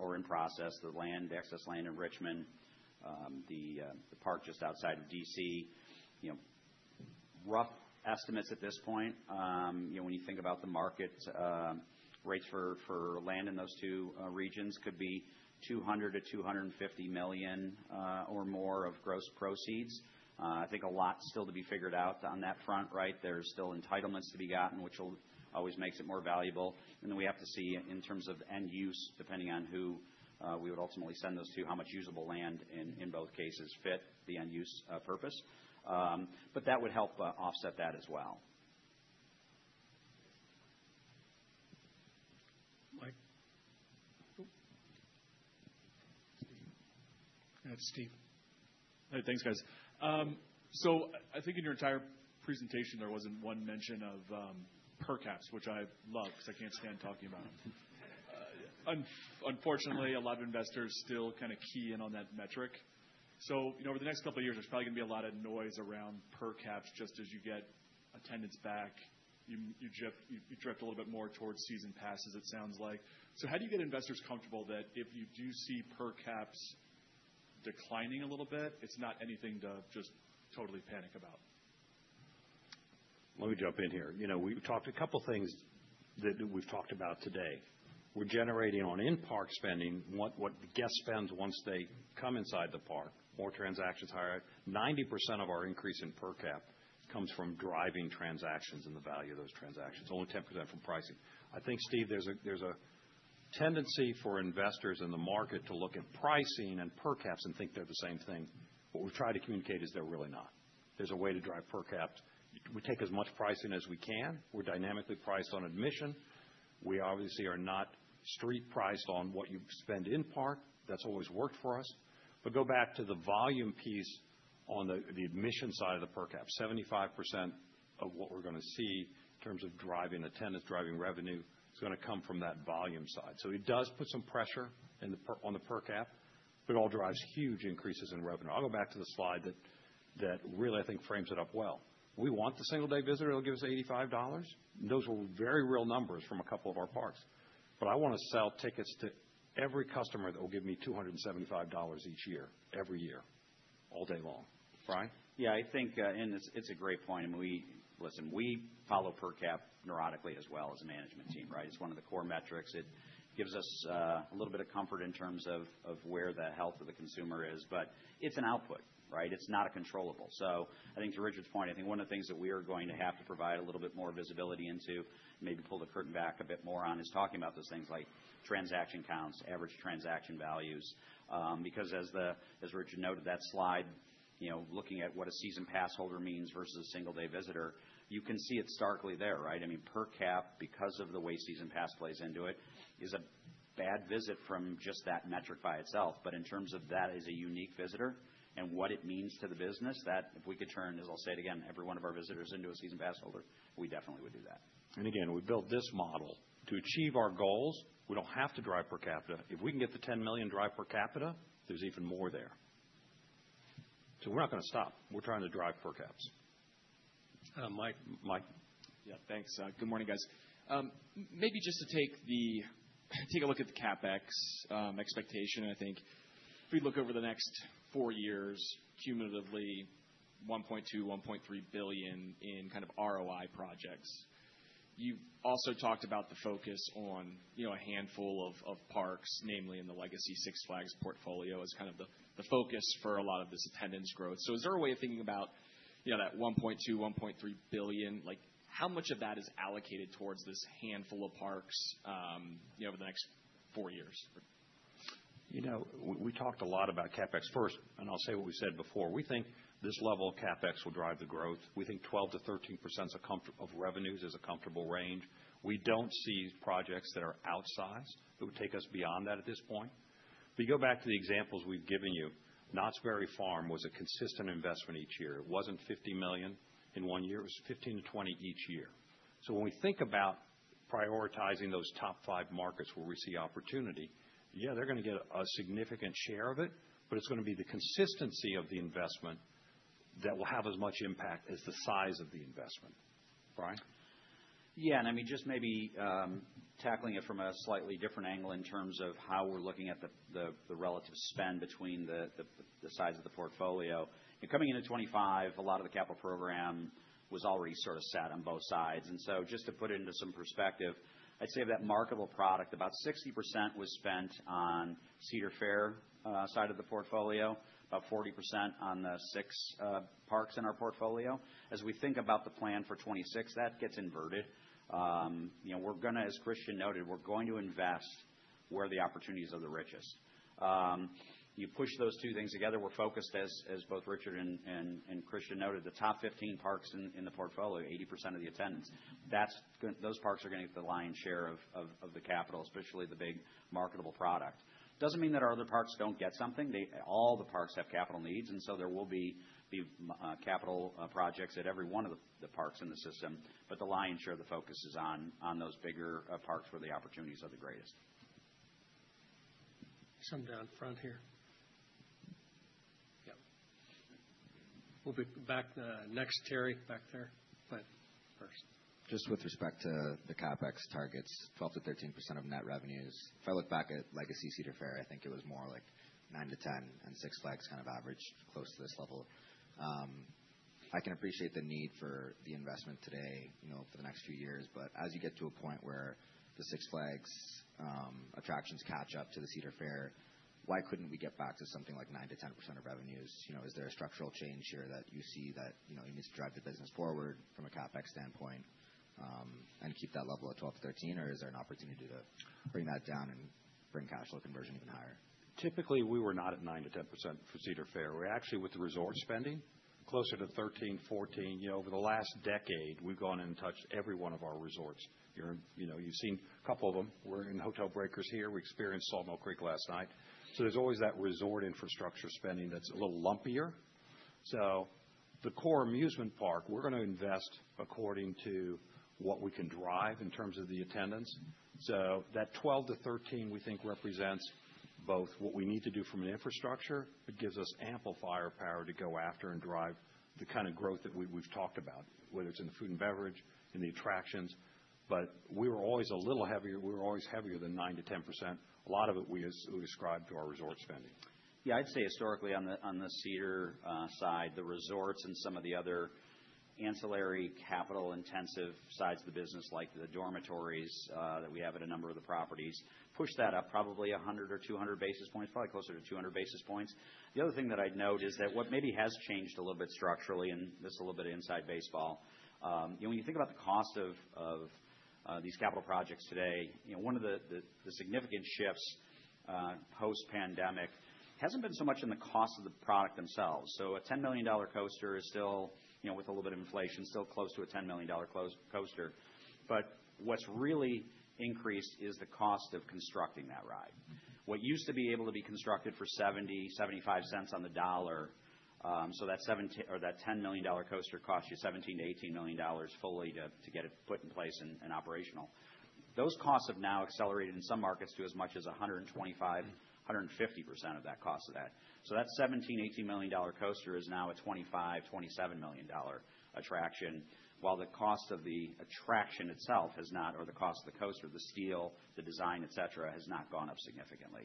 [SPEAKER 5] or in process, the land, excess land in Richmond, the park just outside of DC. Rough estimates at this point, when you think about the market rates for land in those two regions, could be $200 million-$250 million or more of gross proceeds. I think a lot still to be figured out on that front, right? There's still entitlements to be gotten, which always makes it more valuable. We have to see in terms of end use, depending on who we would ultimately send those to, how much usable land in both cases fit the end use purpose. That would help offset that as well.
[SPEAKER 6] Mike. That's Steve. That's Steve. All right, thanks, guys. I think in your entire presentation, there was not one mention of per caps, which I love because I cannot stand talking about it. Unfortunately, a lot of investors still kind of key in on that metric. Over the next couple of years, there is probably going to be a lot of noise around per caps just as you get attendance back. You drift a little bit more towards season passes, it sounds like. How do you get investors comfortable that if you do see per caps declining a little bit, it is not anything to just totally panic about?
[SPEAKER 3] Let me jump in here. We've talked a couple of things that we've talked about today. We're generating on in-park spending, what the guest spends once they come inside the park, more transactions, higher up. 90% of our increase in per cap comes from driving transactions and the value of those transactions, only 10% from pricing. I think, Steve, there's a tendency for investors in the market to look at pricing and per caps and think they're the same thing. What we're trying to communicate is they're really not. There's a way to drive per caps. We take as much pricing as we can. We're dynamically priced on admission. We obviously are not street priced on what you spend in park. That's always worked for us. Go back to the volume piece on the admission side of the per cap. 75% of what we're going to see in terms of driving attendance, driving revenue, it's going to come from that volume side. It does put some pressure on the per cap, but it all drives huge increases in revenue. I'll go back to the slide that really, I think, frames it up well. We want the single-day visitor; it'll give us $85. Those were very real numbers from a couple of our parks. I want to sell tickets to every customer that will give me $275 each year, every year, all day long. Brian?
[SPEAKER 5] Yeah, I think, and it's a great point. Listen, we follow per cap neurotically as well as a management team, right? It's one of the core metrics. It gives us a little bit of comfort in terms of where the health of the consumer is. But it's an output, right? It's not a controllable. I think to Richard's point, I think one of the things that we are going to have to provide a little bit more visibility into, maybe pull the curtain back a bit more on, is talking about those things like transaction counts, average transaction values. Because as Richard noted, that slide, looking at what a season pass holder means versus a single-day visitor, you can see it starkly there, right? I mean, per cap, because of the way season pass plays into it, is a bad visit from just that metric by itself. In terms of that as a unique visitor and what it means to the business, if we could turn, as I'll say it again, every one of our visitors into a season pass holder, we definitely would do that.
[SPEAKER 3] We built this model to achieve our goals. We do not have to drive per capita. If we can get the $10 million drive per capita, there is even more there. We are not going to stop. We are trying to drive per caps.
[SPEAKER 10] Mike. Mike. Yeah, thanks. Good morning, guys. Maybe just to take a look at the CapEx expectation, I think if we look over the next four years, cumulatively, $1.2 billion, $1.3 billion in kind of ROI projects. You've also talked about the focus on a handful of parks, namely in the Legacy Six Flags portfolio as kind of the focus for a lot of this attendance growth. Is there a way of thinking about that $1.2 billion, $1.3 billion? How much of that is allocated towards this handful of parks over the next four years?
[SPEAKER 3] You know, we talked a lot about CapEx first, and I'll say what we said before. We think this level of CapEx will drive the growth. We think 12%-13% of revenues is a comfortable range. We don't see projects that are outsized that would take us beyond that at this point. You go back to the examples we've given you, Knott's Berry Farm was a consistent investment each year. It wasn't $50 million in one year. It was $15 million-$20 million each year. When we think about prioritizing those top five markets where we see opportunity, yeah, they're going to get a significant share of it, but it's going to be the consistency of the investment that will have as much impact as the size of the investment, right?
[SPEAKER 6] Yeah, and I mean, just maybe tackling it from a slightly different angle in terms of how we're looking at the relative spend between the size of the portfolio. Coming into 2025, a lot of the capital program was already sort of set on both sides. Just to put it into some perspective, I'd say of that marketable product, about 60% was spent on Cedar Fair side of the portfolio, about 40% on the Six Flags parks in our portfolio. As we think about the plan for 2026, that gets inverted. As Christian noted, we're going to invest where the opportunities are the richest. You push those two things together. We're focused, as both Richard and Christian noted, the top 15 parks in the portfolio, 80% of the attendance. Those parks are going to get the lion's share of the capital, especially the big marketable product. Doesn't mean that our other parks don't get something. All the parks have capital needs, and so there will be capital projects at every one of the parks in the system. The lion's share of the focus is on those bigger parks where the opportunities are the greatest.
[SPEAKER 1] Some down front here. Yep. We'll be back next, Terry, back there. Go ahead first.
[SPEAKER 11] Just with respect to the CapEx targets, 12%-13% of net revenues. If I look back at Legacy Cedar Fair, I think it was more like $9 million-$10 million, and Six Flags kind of averaged close to this level. I can appreciate the need for the investment today for the next few years. As you get to a point where the Six Flags attractions catch up to the Cedar Fair, why couldn't we get back to something like $9 million-$10 million of revenues? Is there a structural change here that you see that you need to drive the business forward from a CapEx standpoint and keep that level at $12 million-$13 million? Is there an opportunity to bring that down and bring cash flow conversion even higher?
[SPEAKER 3] Typically, we were not at $9 million-$10 million for Cedar Fair. We're actually, with the resort spending, closer to $13 million-$14 million. Over the last decade, we've gone and touched every one of our resorts. You've seen a couple of them. We're in Hotel Breakers here. We experienced Salt Mile Creek last night. There is always that resort infrastructure spending that's a little lumpier. The core amusement park, we're going to invest according to what we can drive in terms of the attendance. That $12 million-$13 million, we think, represents both what we need to do from an infrastructure. It gives us amplifier power to go after and drive the kind of growth that we've talked about, whether it's in the food and beverage, in the attractions. We were always a little heavier. We were always heavier than $9 million-$10 million. A lot of it we asked to describe to our resort spending.
[SPEAKER 5] Yeah, I'd say historically on the Cedar side, the resorts and some of the other ancillary capital-intensive sides of the business, like the dormitories that we have at a number of the properties, pushed that up probably 100 or 200 basis points, probably closer to 200 basis points. The other thing that I'd note is that what maybe has changed a little bit structurally, and this is a little bit of inside baseball. When you think about the cost of these capital projects today, one of the significant shifts post-pandemic hasn't been so much in the cost of the product themselves. So a $10 million coaster is still, with a little bit of inflation, still close to a $10 million coaster. What's really increased is the cost of constructing that ride. What used to be able to be constructed for $0.70, $0.75 on the dollar, so that $10 million coaster cost you $17 million-$18 million fully to get it put in place and operational, those costs have now accelerated in some markets to as much as 125%-150% of that cost. So that $17 million-$18 million coaster is now a $25 million-$27 million attraction, while the cost of the attraction itself has not, or the cost of the coaster, the steel, the design, etc., has not gone up significantly.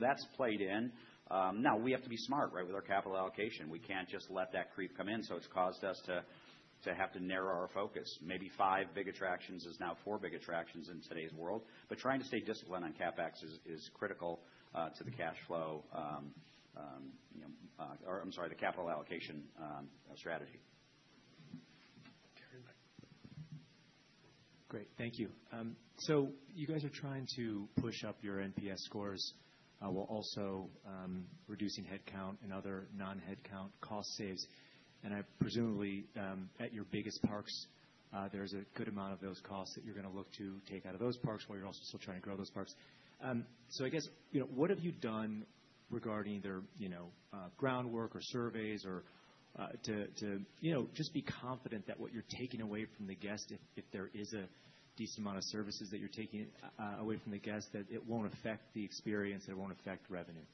[SPEAKER 5] That has played in. Now, we have to be smart, right, with our capital allocation. We cannot just let that creep come in. It has caused us to have to narrow our focus. Maybe five big attractions is now four big attractions in today's world. Trying to stay disciplined on CapEx is critical to the cash flow, or I'm sorry, the capital allocation strategy.
[SPEAKER 2] Terry, Mike.
[SPEAKER 12] Great. Thank you. You guys are trying to push up your NPS scores while also reducing headcount and other non-headcount cost saves. Presumably, at your biggest parks, there's a good amount of those costs that you're going to look to take out of those parks while you're also still trying to grow those parks. I guess, what have you done regarding either groundwork or surveys or to just be confident that what you're taking away from the guest, if there is a decent amount of services that you're taking away from the guest, that it won't affect the experience and it won't affect revenue?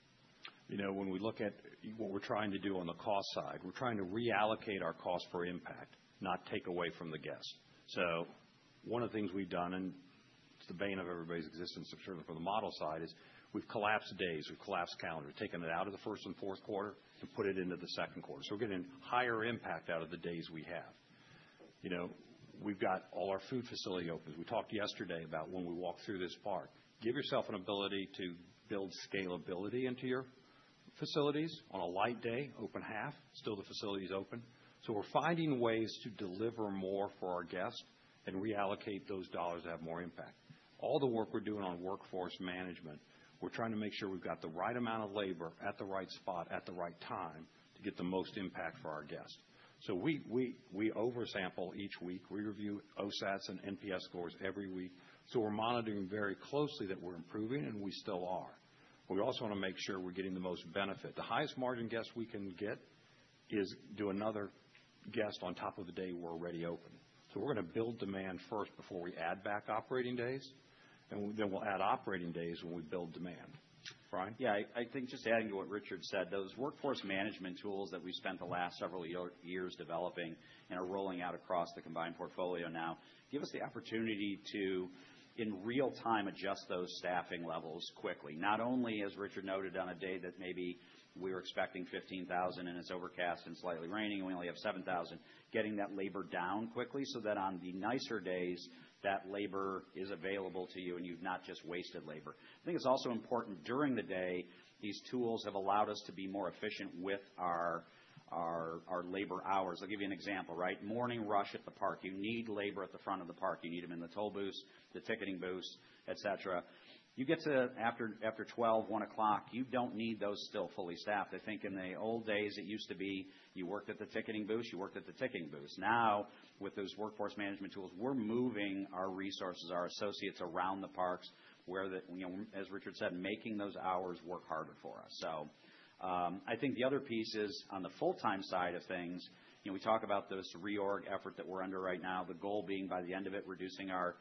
[SPEAKER 3] You know, when we look at what we're trying to do on the cost side, we're trying to reallocate our cost for impact, not take away from the guest. One of the things we've done, and it's the bane of everybody's existence, certainly from the model side, is we've collapsed days, we've collapsed calendars, taken it out of the first and fourth quarter and put it into the second quarter. We're getting higher impact out of the days we have. We've got all our food facility opens. We talked yesterday about when we walk through this park, give yourself an ability to build scalability into your facilities. On a light day, open half, still the facility is open. We're finding ways to deliver more for our guests and reallocate those dollars to have more impact. All the work we're doing on workforce management, we're trying to make sure we've got the right amount of labor at the right spot at the right time to get the most impact for our guests. We oversample each week. We review OSATs and NPS scores every week. We're monitoring very closely that we're improving, and we still are. We also want to make sure we're getting the most benefit. The highest margin guest we can get is do another guest on top of the day we're already open. We're going to build demand first before we add back operating days, and then we'll add operating days when we build demand. Brian?
[SPEAKER 5] Yeah, I think just adding to what Richard said, those workforce management tools that we spent the last several years developing and are rolling out across the combined portfolio now give us the opportunity to, in real time, adjust those staffing levels quickly. Not only, as Richard noted, on a day that maybe we were expecting 15,000 and it's overcast and slightly raining and we only have 7,000, getting that labor down quickly so that on the nicer days, that labor is available to you and you've not just wasted labor. I think it's also important during the day, these tools have allowed us to be more efficient with our labor hours. I'll give you an example, right? Morning rush at the park. You need labor at the front of the park. You need them in the toll booths, the ticketing booths, etc. You get to after 12:00, 1 o'clock, you do not need those still fully staffed. I think in the old days, it used to be you worked at the ticketing booth, you worked at the ticketing booth. Now, with those workforce management tools, we are moving our resources, our associates around the parks, where the, as Richard said, making those hours work harder for us. I think the other piece is on the full-time side of things. We talk about this reorg effort that we are under right now, the goal being by the end of it, reducing our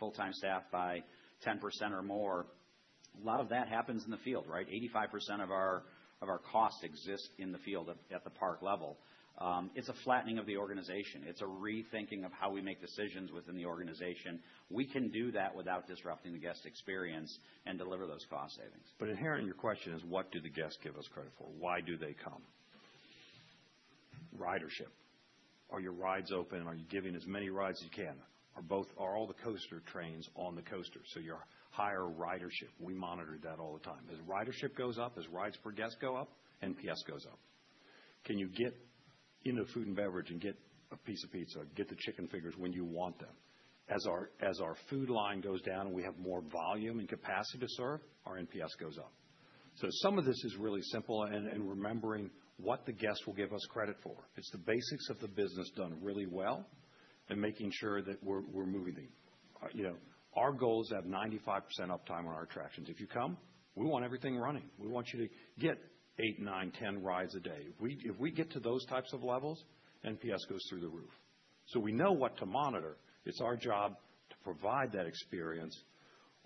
[SPEAKER 5] full-time staff by 10% or more. A lot of that happens in the field, right? 85% of our costs exist in the field at the park level. It is a flattening of the organization. It is a rethinking of how we make decisions within the organization. We can do that without disrupting the guest experience and deliver those cost savings. But inherent in your question is, what do the guests give us credit for? Why do they come? Ridership. Are your rides open? Are you giving as many rides as you can? Are all the coaster trains on the coaster? So your higher ridership. We monitor that all the time. As ridership goes up, as rides for guests go up, NPS goes up. Can you get into food and beverage and get a piece of pizza, get the chicken fingers when you want them? As our food line goes down and we have more volume and capacity to serve, our NPS goes up. Some of this is really simple and remembering what the guest will give us credit for. It's the basics of the business done really well and making sure that we're moving things. Our goal is to have 95% uptime on our attractions. If you come, we want everything running. We want you to get 8, 9, 10 rides a day. If we get to those types of levels, NPS goes through the roof. We know what to monitor. It is our job to provide that experience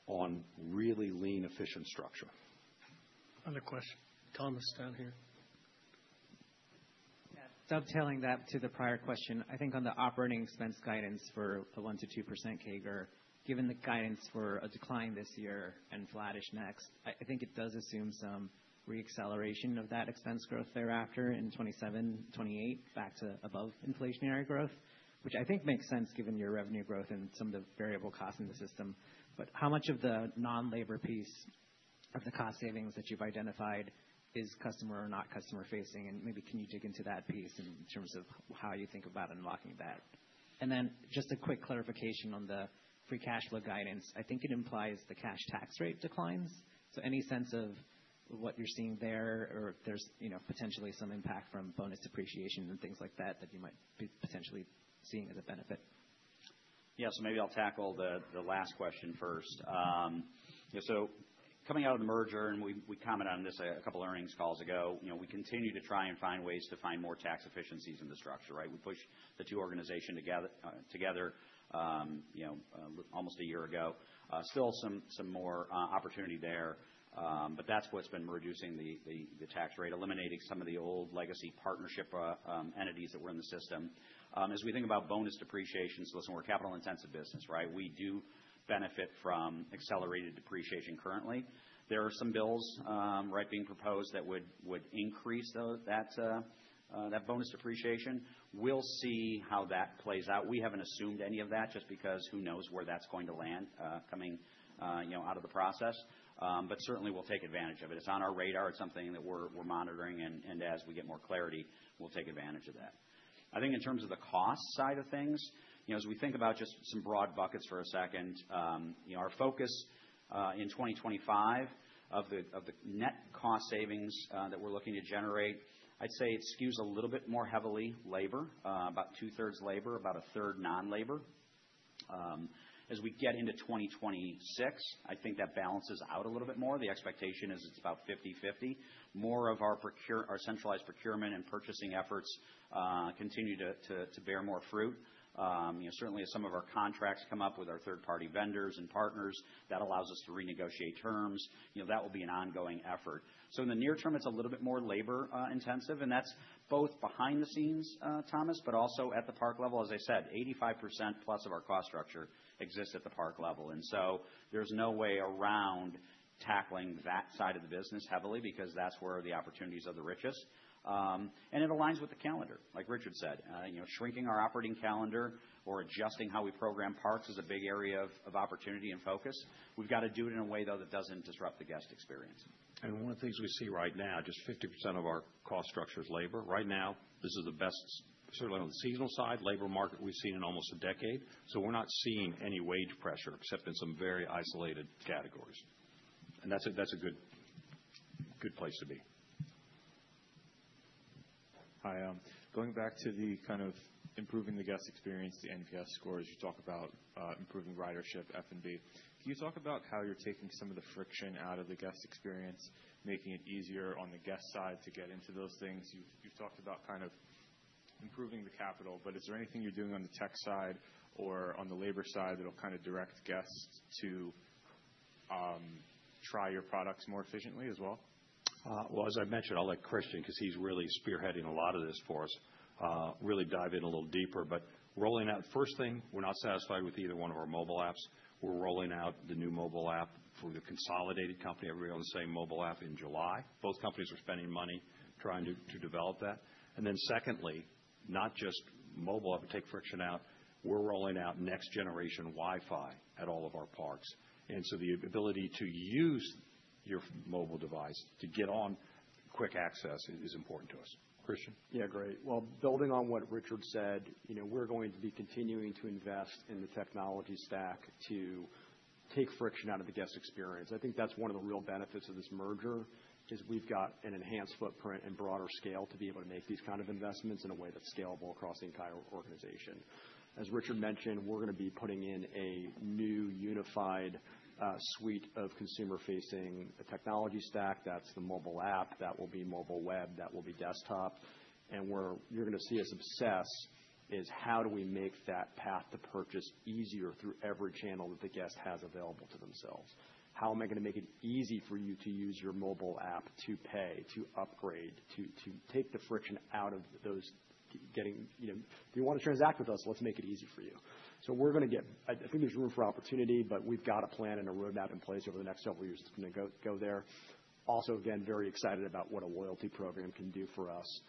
[SPEAKER 5] on really lean, efficient structure.
[SPEAKER 1] Another question. Thomas down here.
[SPEAKER 13] Yeah. Dubtailing that to the prior question, I think on the operating expense guidance for the 1%-2% CAGR, given the guidance for a decline this year and flattish next, I think it does assume some re-acceleration of that expense growth thereafter in 2027, 2028, back to above inflationary growth, which I think makes sense given your revenue growth and some of the variable costs in the system. How much of the non-labor piece of the cost savings that you've identified is customer or not customer-facing? Maybe can you dig into that piece in terms of how you think about unlocking that? Just a quick clarification on the free cash flow guidance. I think it implies the cash tax rate declines. Any sense of what you're seeing there or if there's potentially some impact from bonus depreciation and things like that that you might be potentially seeing as a benefit?
[SPEAKER 5] Yeah, maybe I'll tackle the last question first. Coming out of the merger, and we commented on this a couple of earnings calls ago, we continue to try and find ways to find more tax efficiencies in the structure, right? We pushed the two organizations together almost a year ago. Still some more opportunity there. That's what's been reducing the tax rate, eliminating some of the old legacy partnership entities that were in the system. As we think about bonus depreciation, listen, we're a capital-intensive business, right? We do benefit from accelerated depreciation currently. There are some bills being proposed that would increase that bonus depreciation. We'll see how that plays out. We haven't assumed any of that just because who knows where that's going to land coming out of the process. Certainly, we'll take advantage of it. It's on our radar. It's something that we're monitoring. As we get more clarity, we'll take advantage of that. I think in terms of the cost side of things, as we think about just some broad buckets for a second, our focus in 2025 of the net cost savings that we're looking to generate, I'd say it skews a little bit more heavily labor, about two-thirds labor, about a third non-labor. As we get into 2026, I think that balances out a little bit more. The expectation is it's about 50/50. More of our centralized procurement and purchasing efforts continue to bear more fruit. Certainly, as some of our contracts come up with our third-party vendors and partners, that allows us to renegotiate terms. That will be an ongoing effort. In the near term, it's a little bit more labor-intensive. That is both behind the scenes, Thomas, but also at the park level. As I said, 85%+ of our cost structure exists at the park level. There is no way around tackling that side of the business heavily because that is where the opportunities are the richest. It aligns with the calendar, like Richard said. Shrinking our operating calendar or adjusting how we program parks is a big area of opportunity and focus. We have got to do it in a way, though, that does not disrupt the guest experience. One of the things we see right now, just 50% of our cost structure is labor. Right now, this is the best, certainly on the seasonal side, labor market we've seen in almost a decade. We're not seeing any wage pressure except in some very isolated categories. That's a good place to be.
[SPEAKER 2] Hi. Going back to the kind of improving the guest experience, the NPS scores, you talk about improving ridership, F&B. Can you talk about how you're taking some of the friction out of the guest experience, making it easier on the guest side to get into those things? You've talked about kind of improving the capital, but is there anything you're doing on the tech side or on the labor side that'll kind of direct guests to try your products more efficiently as well?
[SPEAKER 5] As I mentioned, I'll let Christian, because he's really spearheading a lot of this for us, really dive in a little deeper. Rolling out, first thing, we're not satisfied with either one of our mobile apps. We're rolling out the new mobile app for the consolidated company. Everybody on the same mobile app in July. Both companies are spending money trying to develop that. Secondly, not just mobile app, but take friction out. We're rolling out next-generation Wi-Fi at all of our parks. The ability to use your mobile device to get on quick access is important to us. Christian?
[SPEAKER 3] Yeah, great. Building on what Richard said, we're going to be continuing to invest in the technology stack to take friction out of the guest experience. I think that's one of the real benefits of this merger is we've got an enhanced footprint and broader scale to be able to make these kinds of investments in a way that's scalable across the entire organization. As Richard mentioned, we're going to be putting in a new unified suite of consumer-facing technology stack. That's the mobile app. That will be mobile web. That will be desktop. Where you're going to see us obsess is how do we make that path to purchase easier through every channel that the guest has available to themselves. How am I going to make it easy for you to use your mobile app to pay, to upgrade, to take the friction out of those getting, "If you want to transact with us, let's make it easy for you." We are going to get, I think there's room for opportunity, but we've got a plan and a roadmap in place over the next several years to kind of go there. Also, again, very excited about what a loyalty program can do for us.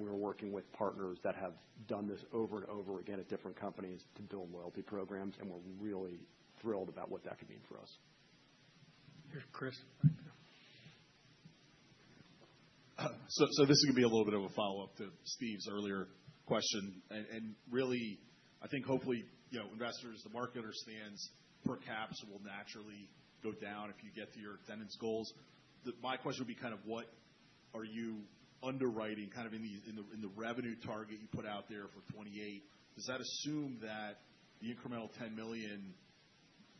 [SPEAKER 3] We are working with partners that have done this over and over again at different companies to build loyalty programs. We are really thrilled about what that could mean for us.
[SPEAKER 2] Here, Chris.
[SPEAKER 4] This is going to be a little bit of a follow-up to Steve's earlier question. I think hopefully investors, the market understands per capita will naturally go down if you get to your attendance goals. My question would be kind of what are you underwriting kind of in the revenue target you put out there for 2028? Does that assume that the incremental 10 million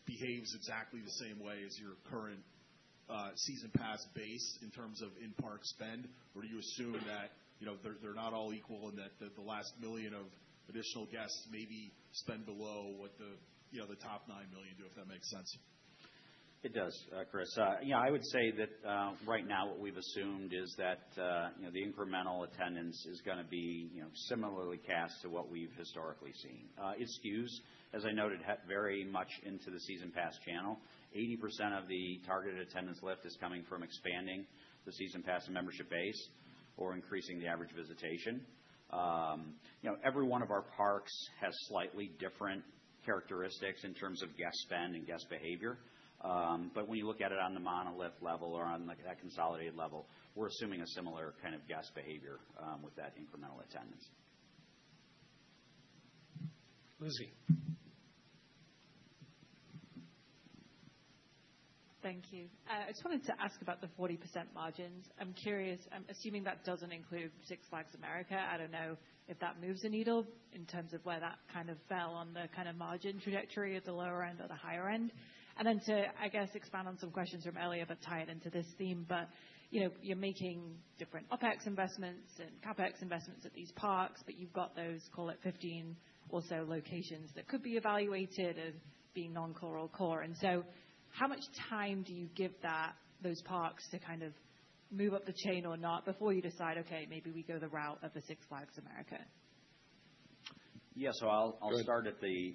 [SPEAKER 4] behaves exactly the same way as your current season pass base in terms of in-park spend? Or do you assume that they're not all equal and that the last million of additional guests maybe spend below what the top 9 million do, if that makes sense?
[SPEAKER 5] It does, Chris. Yeah, I would say that right now what we've assumed is that the incremental attendance is going to be similarly cast to what we've historically seen. It skews, as I noted, very much into the season pass channel. 80% of the targeted attendance lift is coming from expanding the season pass membership base or increasing the average visitation. Every one of our parks has slightly different characteristics in terms of guest spend and guest behavior. When you look at it on the monolith level or on that consolidated level, we're assuming a similar kind of guest behavior with that incremental attendance.
[SPEAKER 1] Lucy.
[SPEAKER 14] Thank you. I just wanted to ask about the 40% margins. I'm curious, assuming that doesn't include Six Flags America, I don't know if that moves a needle in terms of where that kind of fell on the kind of margin trajectory at the lower end or the higher end. To, I guess, expand on some questions from earlier, but tie it into this theme. You're making different OPEX investments and CapEx investments at these parks, but you've got those, call it 15 or so locations that could be evaluated as being non-core or core. How much time do you give those parks to kind of move up the chain or not before you decide, "Okay, maybe we go the route of the Six Flags America"?
[SPEAKER 5] Yeah, so I'll start at the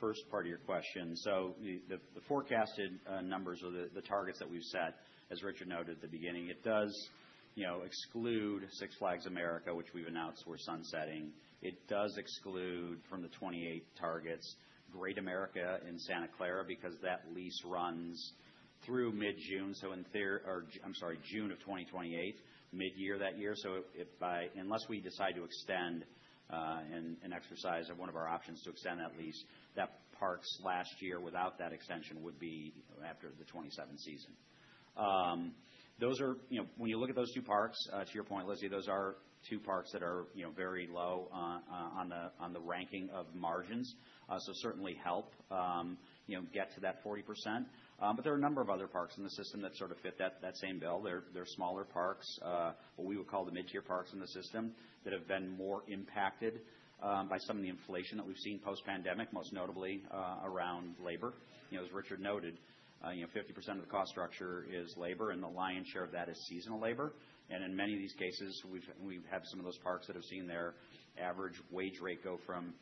[SPEAKER 5] first part of your question. The forecasted numbers or the targets that we've set, as Richard noted at the beginning, do exclude Six Flags America, which we've announced we're sunsetting. It does exclude from the 2028 targets Great America in Santa Clara because that lease runs through mid-June. In theory, or I'm sorry, June of 2028, mid-year that year. Unless we decide to extend and exercise one of our options to extend that lease, that park's last year without that extension would be after the 2027 season. When you look at those two parks, to your point, Lizzie, those are two parks that are very low on the ranking of margins. Certainly helps get to that 40%. There are a number of other parks in the system that sort of fit that same bill. They're smaller parks, what we would call the mid-tier parks in the system that have been more impacted by some of the inflation that we've seen post-pandemic, most notably around labor. As Richard noted, 50% of the cost structure is labor, and the lion's share of that is seasonal labor. In many of these cases, we've had some of those parks that have seen their average wage rate go from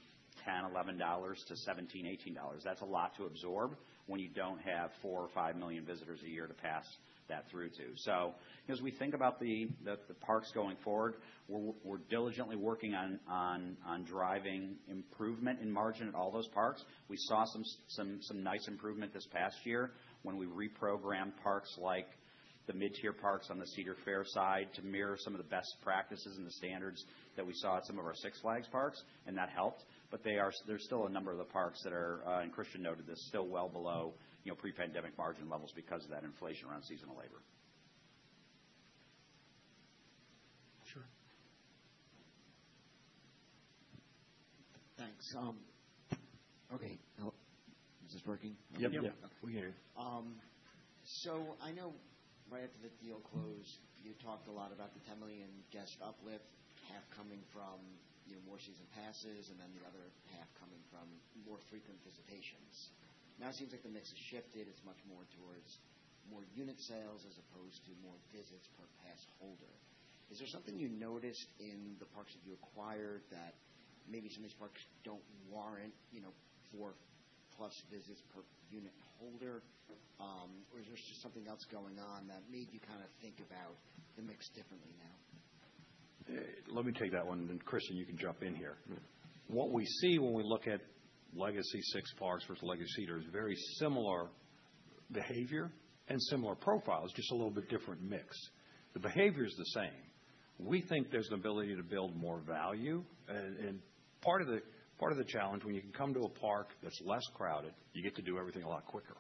[SPEAKER 5] $10, $11 to $17, $18. That's a lot to absorb when you don't have 4 or 5 million visitors a year to pass that through to. As we think about the parks going forward, we're diligently working on driving improvement in margin at all those parks. We saw some nice improvement this past year when we reprogrammed parks like the mid-tier parks on the Cedar Fair side to mirror some of the best practices and the standards that we saw at some of our Six Flags parks, and that helped. There is still a number of the parks that are, and Christian noted this, still well below pre-pandemic margin levels because of that inflation around seasonal labor.
[SPEAKER 1] Sure. Thanks. Okay. Is this working? Yep. Yep. We can hear you.
[SPEAKER 8] I know right after the deal closed, you talked a lot about the 10 million guest uplift, half coming from more season passes and then the other half coming from more frequent visitations. Now it seems like the mix has shifted. It's much more towards more unit sales as opposed to more visits per pass holder. Is there something you noticed in the parks that you acquired that maybe some of these parks don't warrant four-plus visits per unit holder? Or is there just something else going on that made you kind of think about the mix differently now?
[SPEAKER 2] Let me take that one. Christian, you can jump in here. What we see when we look at legacy Six Flags versus legacy Cedar is very similar behavior and similar profiles, just a little bit different mix. The behavior is the same. We think there's an ability to build more value. Part of the challenge when you can come to a park that's less crowded, you get to do everything a lot quicker.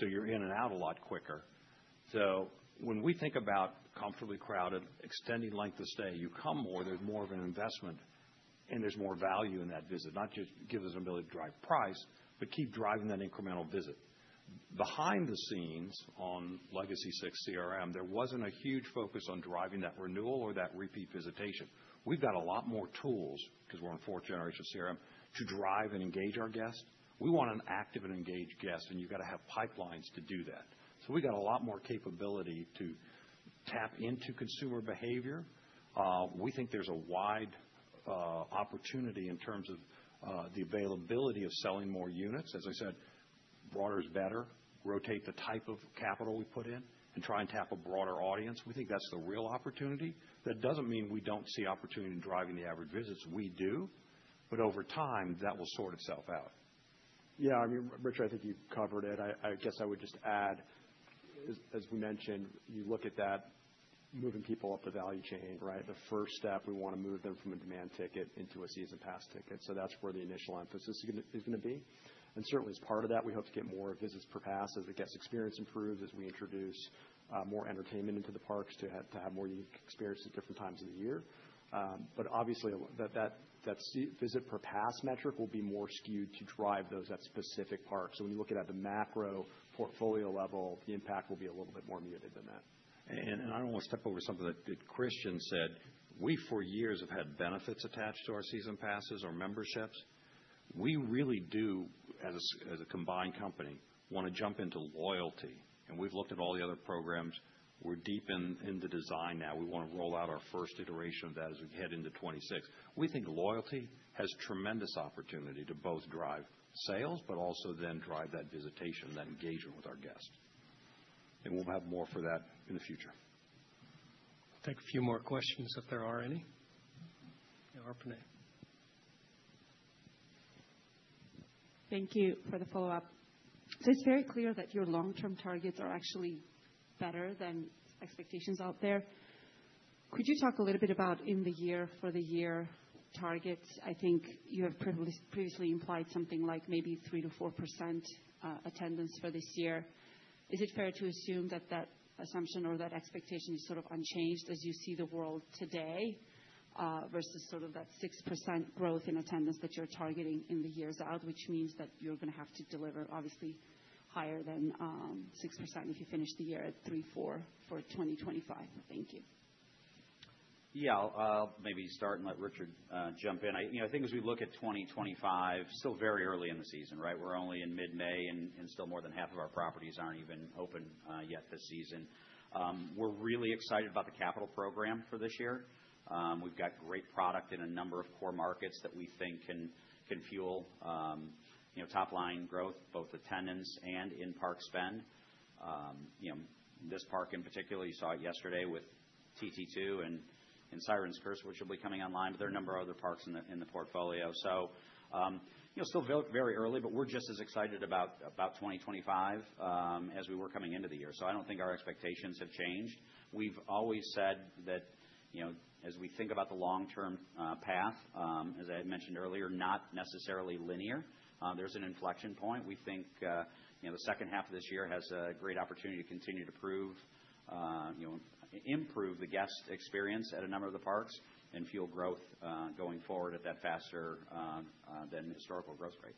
[SPEAKER 2] You're in and out a lot quicker. When we think about comfortably crowded, extended length of stay, you come more, there's more of an investment, and there's more value in that visit. Not just give us an ability to drive price, but keep driving that incremental visit. Behind the scenes on legacy Six CRM, there wasn't a huge focus on driving that renewal or that repeat visitation. We've got a lot more tools because we're on fourth-generation CRM to drive and engage our guests. We want an active and engaged guest, and you've got to have pipelines to do that. We've got a lot more capability to tap into consumer behavior. We think there's a wide opportunity in terms of the availability of selling more units. As I said, broader is better. Rotate the type of capital we put in and try and tap a broader audience. We think that's the real opportunity. That doesn't mean we don't see opportunity in driving the average visits. We do. Over time, that will sort itself out.
[SPEAKER 3] Yeah. I mean, Richard, I think you've covered it. I guess I would just add, as we mentioned, you look at that moving people up the value chain, right? The first step, we want to move them from a demand ticket into a season pass ticket. That's where the initial emphasis is going to be. Certainly, as part of that, we hope to get more visits per pass as the guest experience improves, as we introduce more entertainment into the parks to have more unique experiences at different times of the year. Obviously, that visit per pass metric will be more skewed to drive those at specific parks. When you look at it at the macro portfolio level, the impact will be a little bit more muted than that. I want to step over something that Christian said. We, for years, have had benefits attached to our season passes or memberships. We really do, as a combined company, want to jump into loyalty. We have looked at all the other programs. We are deep in the design now. We want to roll out our first iteration of that as we head into 2026. We think loyalty has tremendous opportunity to both drive sales, but also then drive that visitation, that engagement with our guests. We will have more for that in the future.
[SPEAKER 1] Take a few more questions if there are any. Or Puneet.
[SPEAKER 15] Thank you for the follow-up. So it's very clear that your long-term targets are actually better than expectations out there. Could you talk a little bit about in-the-year, for-the-year targets? I think you have previously implied something like maybe 3-4% attendance for this year. Is it fair to assume that that assumption or that expectation is sort of unchanged as you see the world today versus sort of that 6% growth in attendance that you're targeting in the years out, which means that you're going to have to deliver, obviously, higher than 6% if you finish the year at 3-4 for 2025? Thank you.
[SPEAKER 2] Yeah, I'll maybe start and let Richard jump in. I think as we look at 2025, still very early in the season, right? We're only in mid-May and still more than half of our properties aren't even open yet this season. We're really excited about the capital program for this year. We've got great product in a number of core markets that we think can fuel top-line growth, both attendance and in-park spend. This park in particular, you saw it yesterday with Top Thrill 2 and Siren's Curse, which will be coming online, but there are a number of other parks in the portfolio. Still very early, but we're just as excited about 2025 as we were coming into the year. I don't think our expectations have changed. We've always said that as we think about the long-term path, as I mentioned earlier, not necessarily linear. There's an inflection point. We think the second half of this year has a great opportunity to continue to improve the guest experience at a number of the parks and fuel growth going forward at that faster than historical growth rate.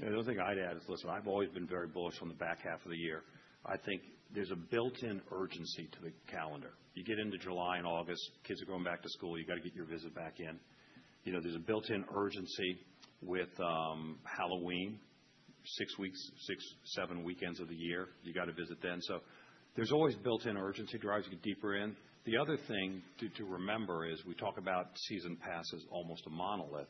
[SPEAKER 2] The only thing I'd add is, listen, I've always been very bullish on the back half of the year. I think there's a built-in urgency to the calendar. You get into July and August, kids are going back to school, you've got to get your visit back in. There's a built-in urgency with Halloween, six weeks, six, seven weekends of the year, you've got to visit then. There's always built-in urgency drives you deeper in. The other thing to remember is we talk about season pass as almost a monolith.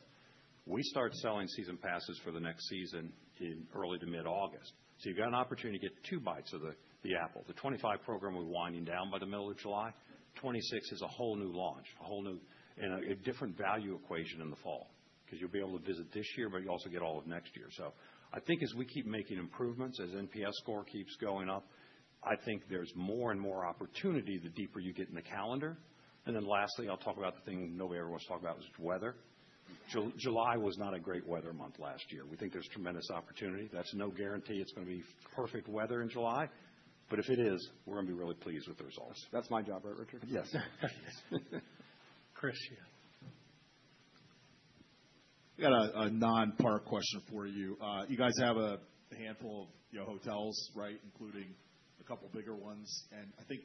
[SPEAKER 2] We start selling season passes for the next season in early to mid-August. You've got an opportunity to get two bites of the apple. The 2025 program will be winding down by the middle of July. '26 is a whole new launch, a whole new and a different value equation in the fall because you'll be able to visit this year, but you also get all of next year. I think as we keep making improvements, as NPS score keeps going up, I think there's more and more opportunity the deeper you get in the calendar. Lastly, I'll talk about the thing nobody ever wants to talk about, which is weather. July was not a great weather month last year. We think there's tremendous opportunity. That's no guarantee it's going to be perfect weather in July. If it is, we're going to be really pleased with the results.
[SPEAKER 1] That's my job, right, Richard?
[SPEAKER 2] Yes.
[SPEAKER 1] Christian.
[SPEAKER 3] I've got a non-park question for you. You guys have a handful of hotels, right, including a couple bigger ones. I think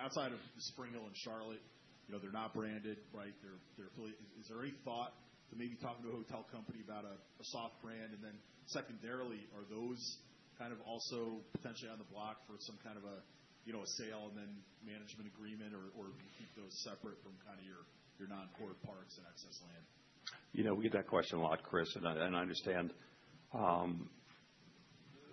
[SPEAKER 3] outside of Spring Hill and Charlotte, they're not branded, right? Is there any thought to maybe talking to a hotel company about a soft brand? Then secondarily, are those kind of also potentially on the block for some kind of a sale and then management agreement, or do you keep those separate from kind of your non-core parks and excess land?
[SPEAKER 2] We get that question a lot, Chris, and I understand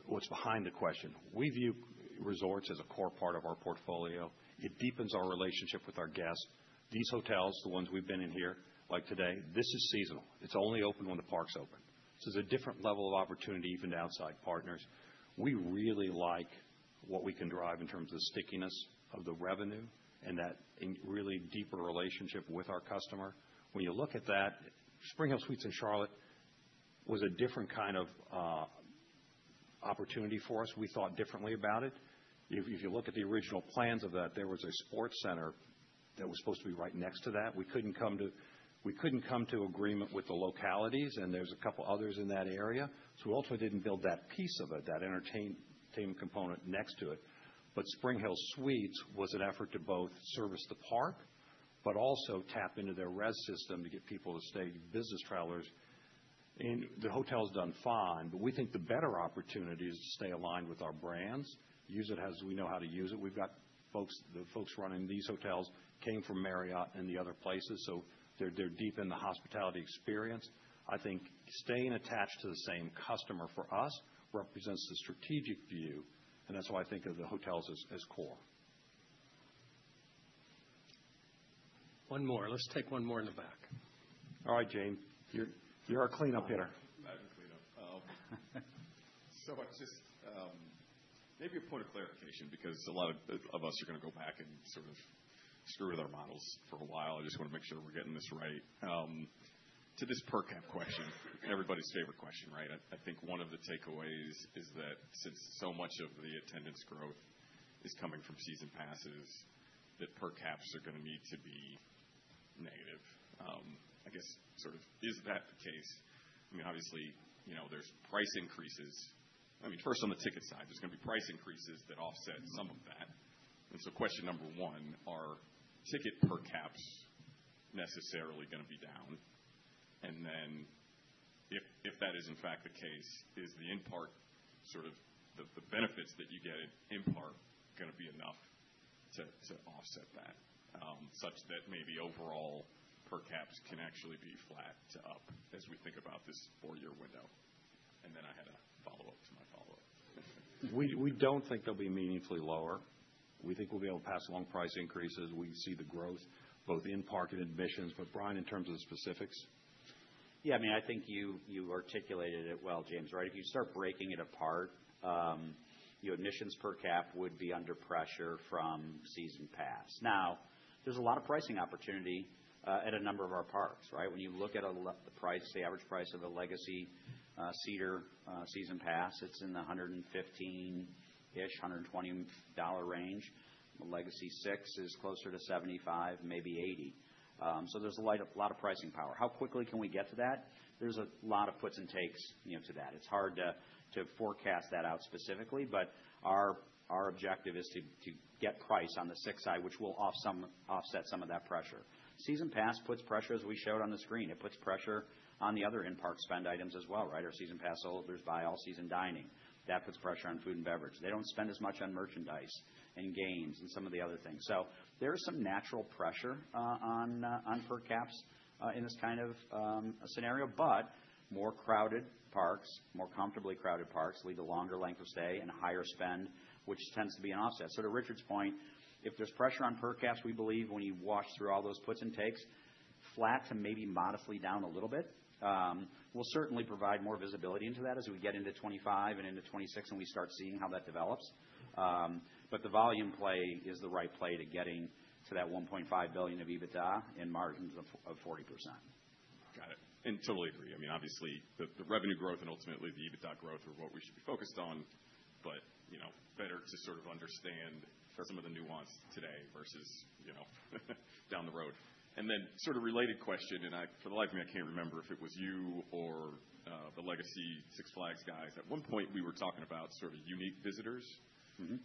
[SPEAKER 2] what's behind the question. We view resorts as a core part of our portfolio. It deepens our relationship with our guests. These hotels, the ones we've been in here, like today, this is seasonal. It's only open when the park's open. There is a different level of opportunity even to outside partners. We really like what we can drive in terms of the stickiness of the revenue and that really deeper relationship with our customer. When you look at that, Spring Hill Suites in Charlotte was a different kind of opportunity for us. We thought differently about it. If you look at the original plans of that, there was a sports center that was supposed to be right next to that. We could not come to agreement with the localities, and there are a couple others in that area. We ultimately did not build that piece of it, that entertainment component next to it. Spring Hill Suites was an effort to both service the park, but also tap into their REZ system to get people to stay, business travelers. The hotel's done fine, but we think the better opportunity is to stay aligned with our brands, use it as we know how to use it. The folks running these hotels came from Marriott and the other places, so they're deep in the hospitality experience. I think staying attached to the same customer for us represents the strategic view, and that's why I think of the hotels as core. One more. Let's take one more in the back.
[SPEAKER 1] All right, James. You're our cleanup hitter.
[SPEAKER 11] I'm the cleanup. Just maybe a point of clarification because a lot of us are going to go back and sort of screw with our models for a while. I just want to make sure we're getting this right. To this per cap question, everybody's favorite question, right? I think one of the takeaways is that since so much of the attendance growth is coming from season passes, that per caps are going to need to be negative. I guess sort of is that the case? I mean, obviously, there's price increases. I mean, first on the ticket side, there's going to be price increases that offset some of that. Question number one, are ticket per caps necessarily going to be down? If that is in fact the case, is the in-park sort of the benefits that you get in in-park going to be enough to offset that such that maybe overall per caps can actually be flat to up as we think about this four-year window? I had a follow-up to my follow-up. We do not think they will be meaningfully lower. We think we will be able to pass along price increases. We see the growth both in-park and admissions. Brian, in terms of the specifics?
[SPEAKER 5] Yeah. I mean, I think you articulated it well, James, right? If you start breaking it apart, admissions per cap would be under pressure from season pass. Now, there's a lot of pricing opportunity at a number of our parks, right? When you look at the average price of the legacy Cedar season pass, it's in the $115-ish, $120 range. The legacy Six is closer to $75, maybe $80. So there's a lot of pricing power. How quickly can we get to that? There's a lot of puts and takes to that. It's hard to forecast that out specifically, but our objective is to get price on the Six side, which will offset some of that pressure. Season pass puts pressure, as we showed on the screen. It puts pressure on the other in-park spend items as well, right? Our season pass holders buy all-season dining. That puts pressure on food and beverage. They don't spend as much on merchandise and games and some of the other things. There is some natural pressure on per caps in this kind of scenario. More crowded parks, more comfortably crowded parks lead to longer length of stay and higher spend, which tends to be an offset. To Richard's point, if there's pressure on per caps, we believe when you wash through all those puts and takes, flat to maybe modestly down a little bit, we'll certainly provide more visibility into that as we get into 2025 and into 2026 and we start seeing how that develops. The volume play is the right play to getting to that $1.5 billion of EBITDA and margins of 40%.
[SPEAKER 16] Got it. And totally agree. I mean, obviously, the revenue growth and ultimately the EBITDA growth are what we should be focused on, but better to sort of understand some of the nuance today versus down the road. And then sort of related question, and for the life of me, I can't remember if it was you or the legacy Six Flags guys. At one point, we were talking about sort of unique visitors.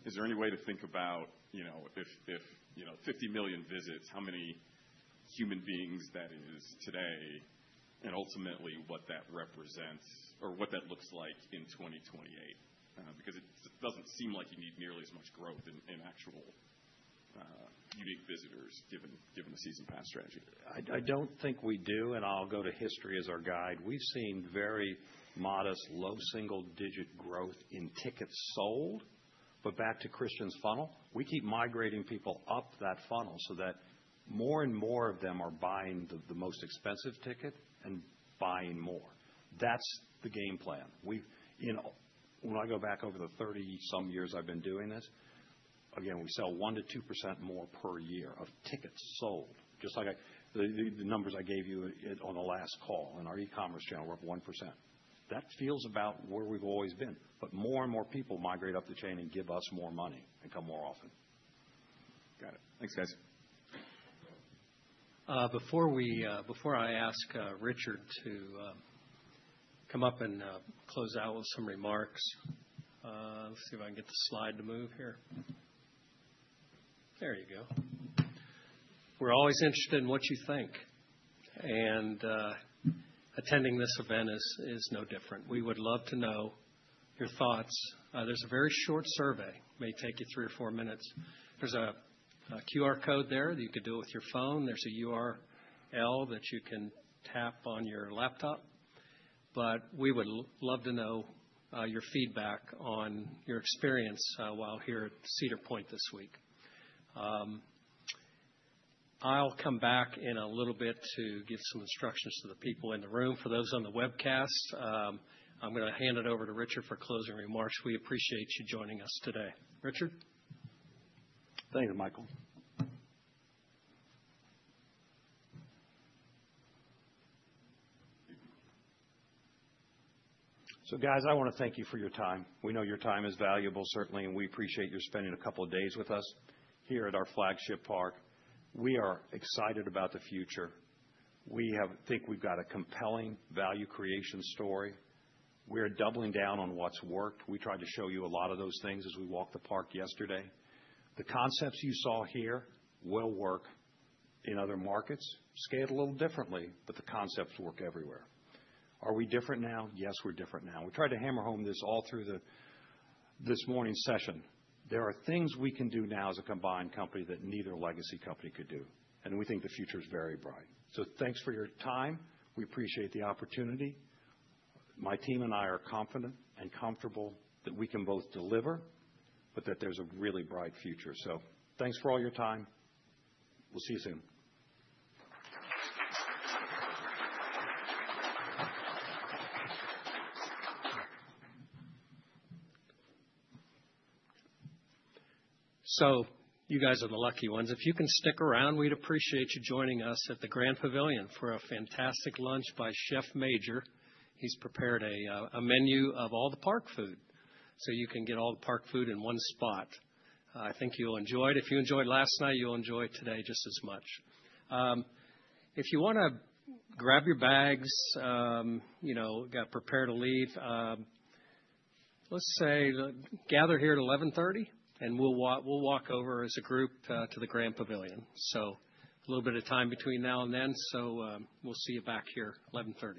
[SPEAKER 16] Is there any way to think about if 50 million visits, how many human beings that is today, and ultimately what that represents or what that looks like in 2028? Because it doesn't seem like you need nearly as much growth in actual unique visitors given a season pass strategy.
[SPEAKER 5] I don't think we do, and I'll go to history as our guide. We've seen very modest, low single-digit growth in tickets sold. Back to Christian's funnel, we keep migrating people up that funnel so that more and more of them are buying the most expensive ticket and buying more. That's the game plan. When I go back over the 30-some years I've been doing this, again, we sell 1-2% more per year of tickets sold, just like the numbers I gave you on the last call. In our e-commerce channel, we're up 1%. That feels about where we've always been. More and more people migrate up the chain and give us more money and come more often.
[SPEAKER 16] Got it. Thanks, guys.
[SPEAKER 1] Before I ask Richard to come up and close out with some remarks, let me see if I can get the slide to move here. There you go. We are always interested in what you think. Attending this event is no different. We would love to know your thoughts. There is a very short survey. It may take you three or four minutes. There is a QR code there that you could do with your phone. There is a URL that you can tap on your laptop. We would love to know your feedback on your experience while here at Cedar Point this week. I will come back in a little bit to give some instructions to the people in the room. For those on the webcast, I am going to hand it over to Richard for closing remarks. We appreciate you joining us today. Richard?
[SPEAKER 2] Thank you, Michael. So guys, I want to thank you for your time. We know your time is valuable, certainly, and we appreciate your spending a couple of days with us here at our flagship park. We are excited about the future. We think we've got a compelling value creation story. We're doubling down on what's worked. We tried to show you a lot of those things as we walked the park yesterday. The concepts you saw here will work in other markets. Scale a little differently, but the concepts work everywhere. Are we different now? Yes, we're different now. We tried to hammer home this all through this morning's session. There are things we can do now as a combined company that neither legacy company could do. And we think the future is very bright. So thanks for your time. We appreciate the opportunity. My team and I are confident and comfortable that we can both deliver, but that there's a really bright future. Thanks for all your time. We'll see you soon.
[SPEAKER 1] You guys are the lucky ones. If you can stick around, we'd appreciate you joining us at the Grand Pavilion for a fantastic lunch by Chef Major. He's prepared a menu of all the park food so you can get all the park food in one spot. I think you'll enjoy it. If you enjoyed last night, you'll enjoy it today just as much. If you want to grab your bags, get prepared to leave, let's say gather here at 11:30, and we'll walk over as a group to the Grand Pavilion. A little bit of time between now and then, so we'll see you back here at 11:30.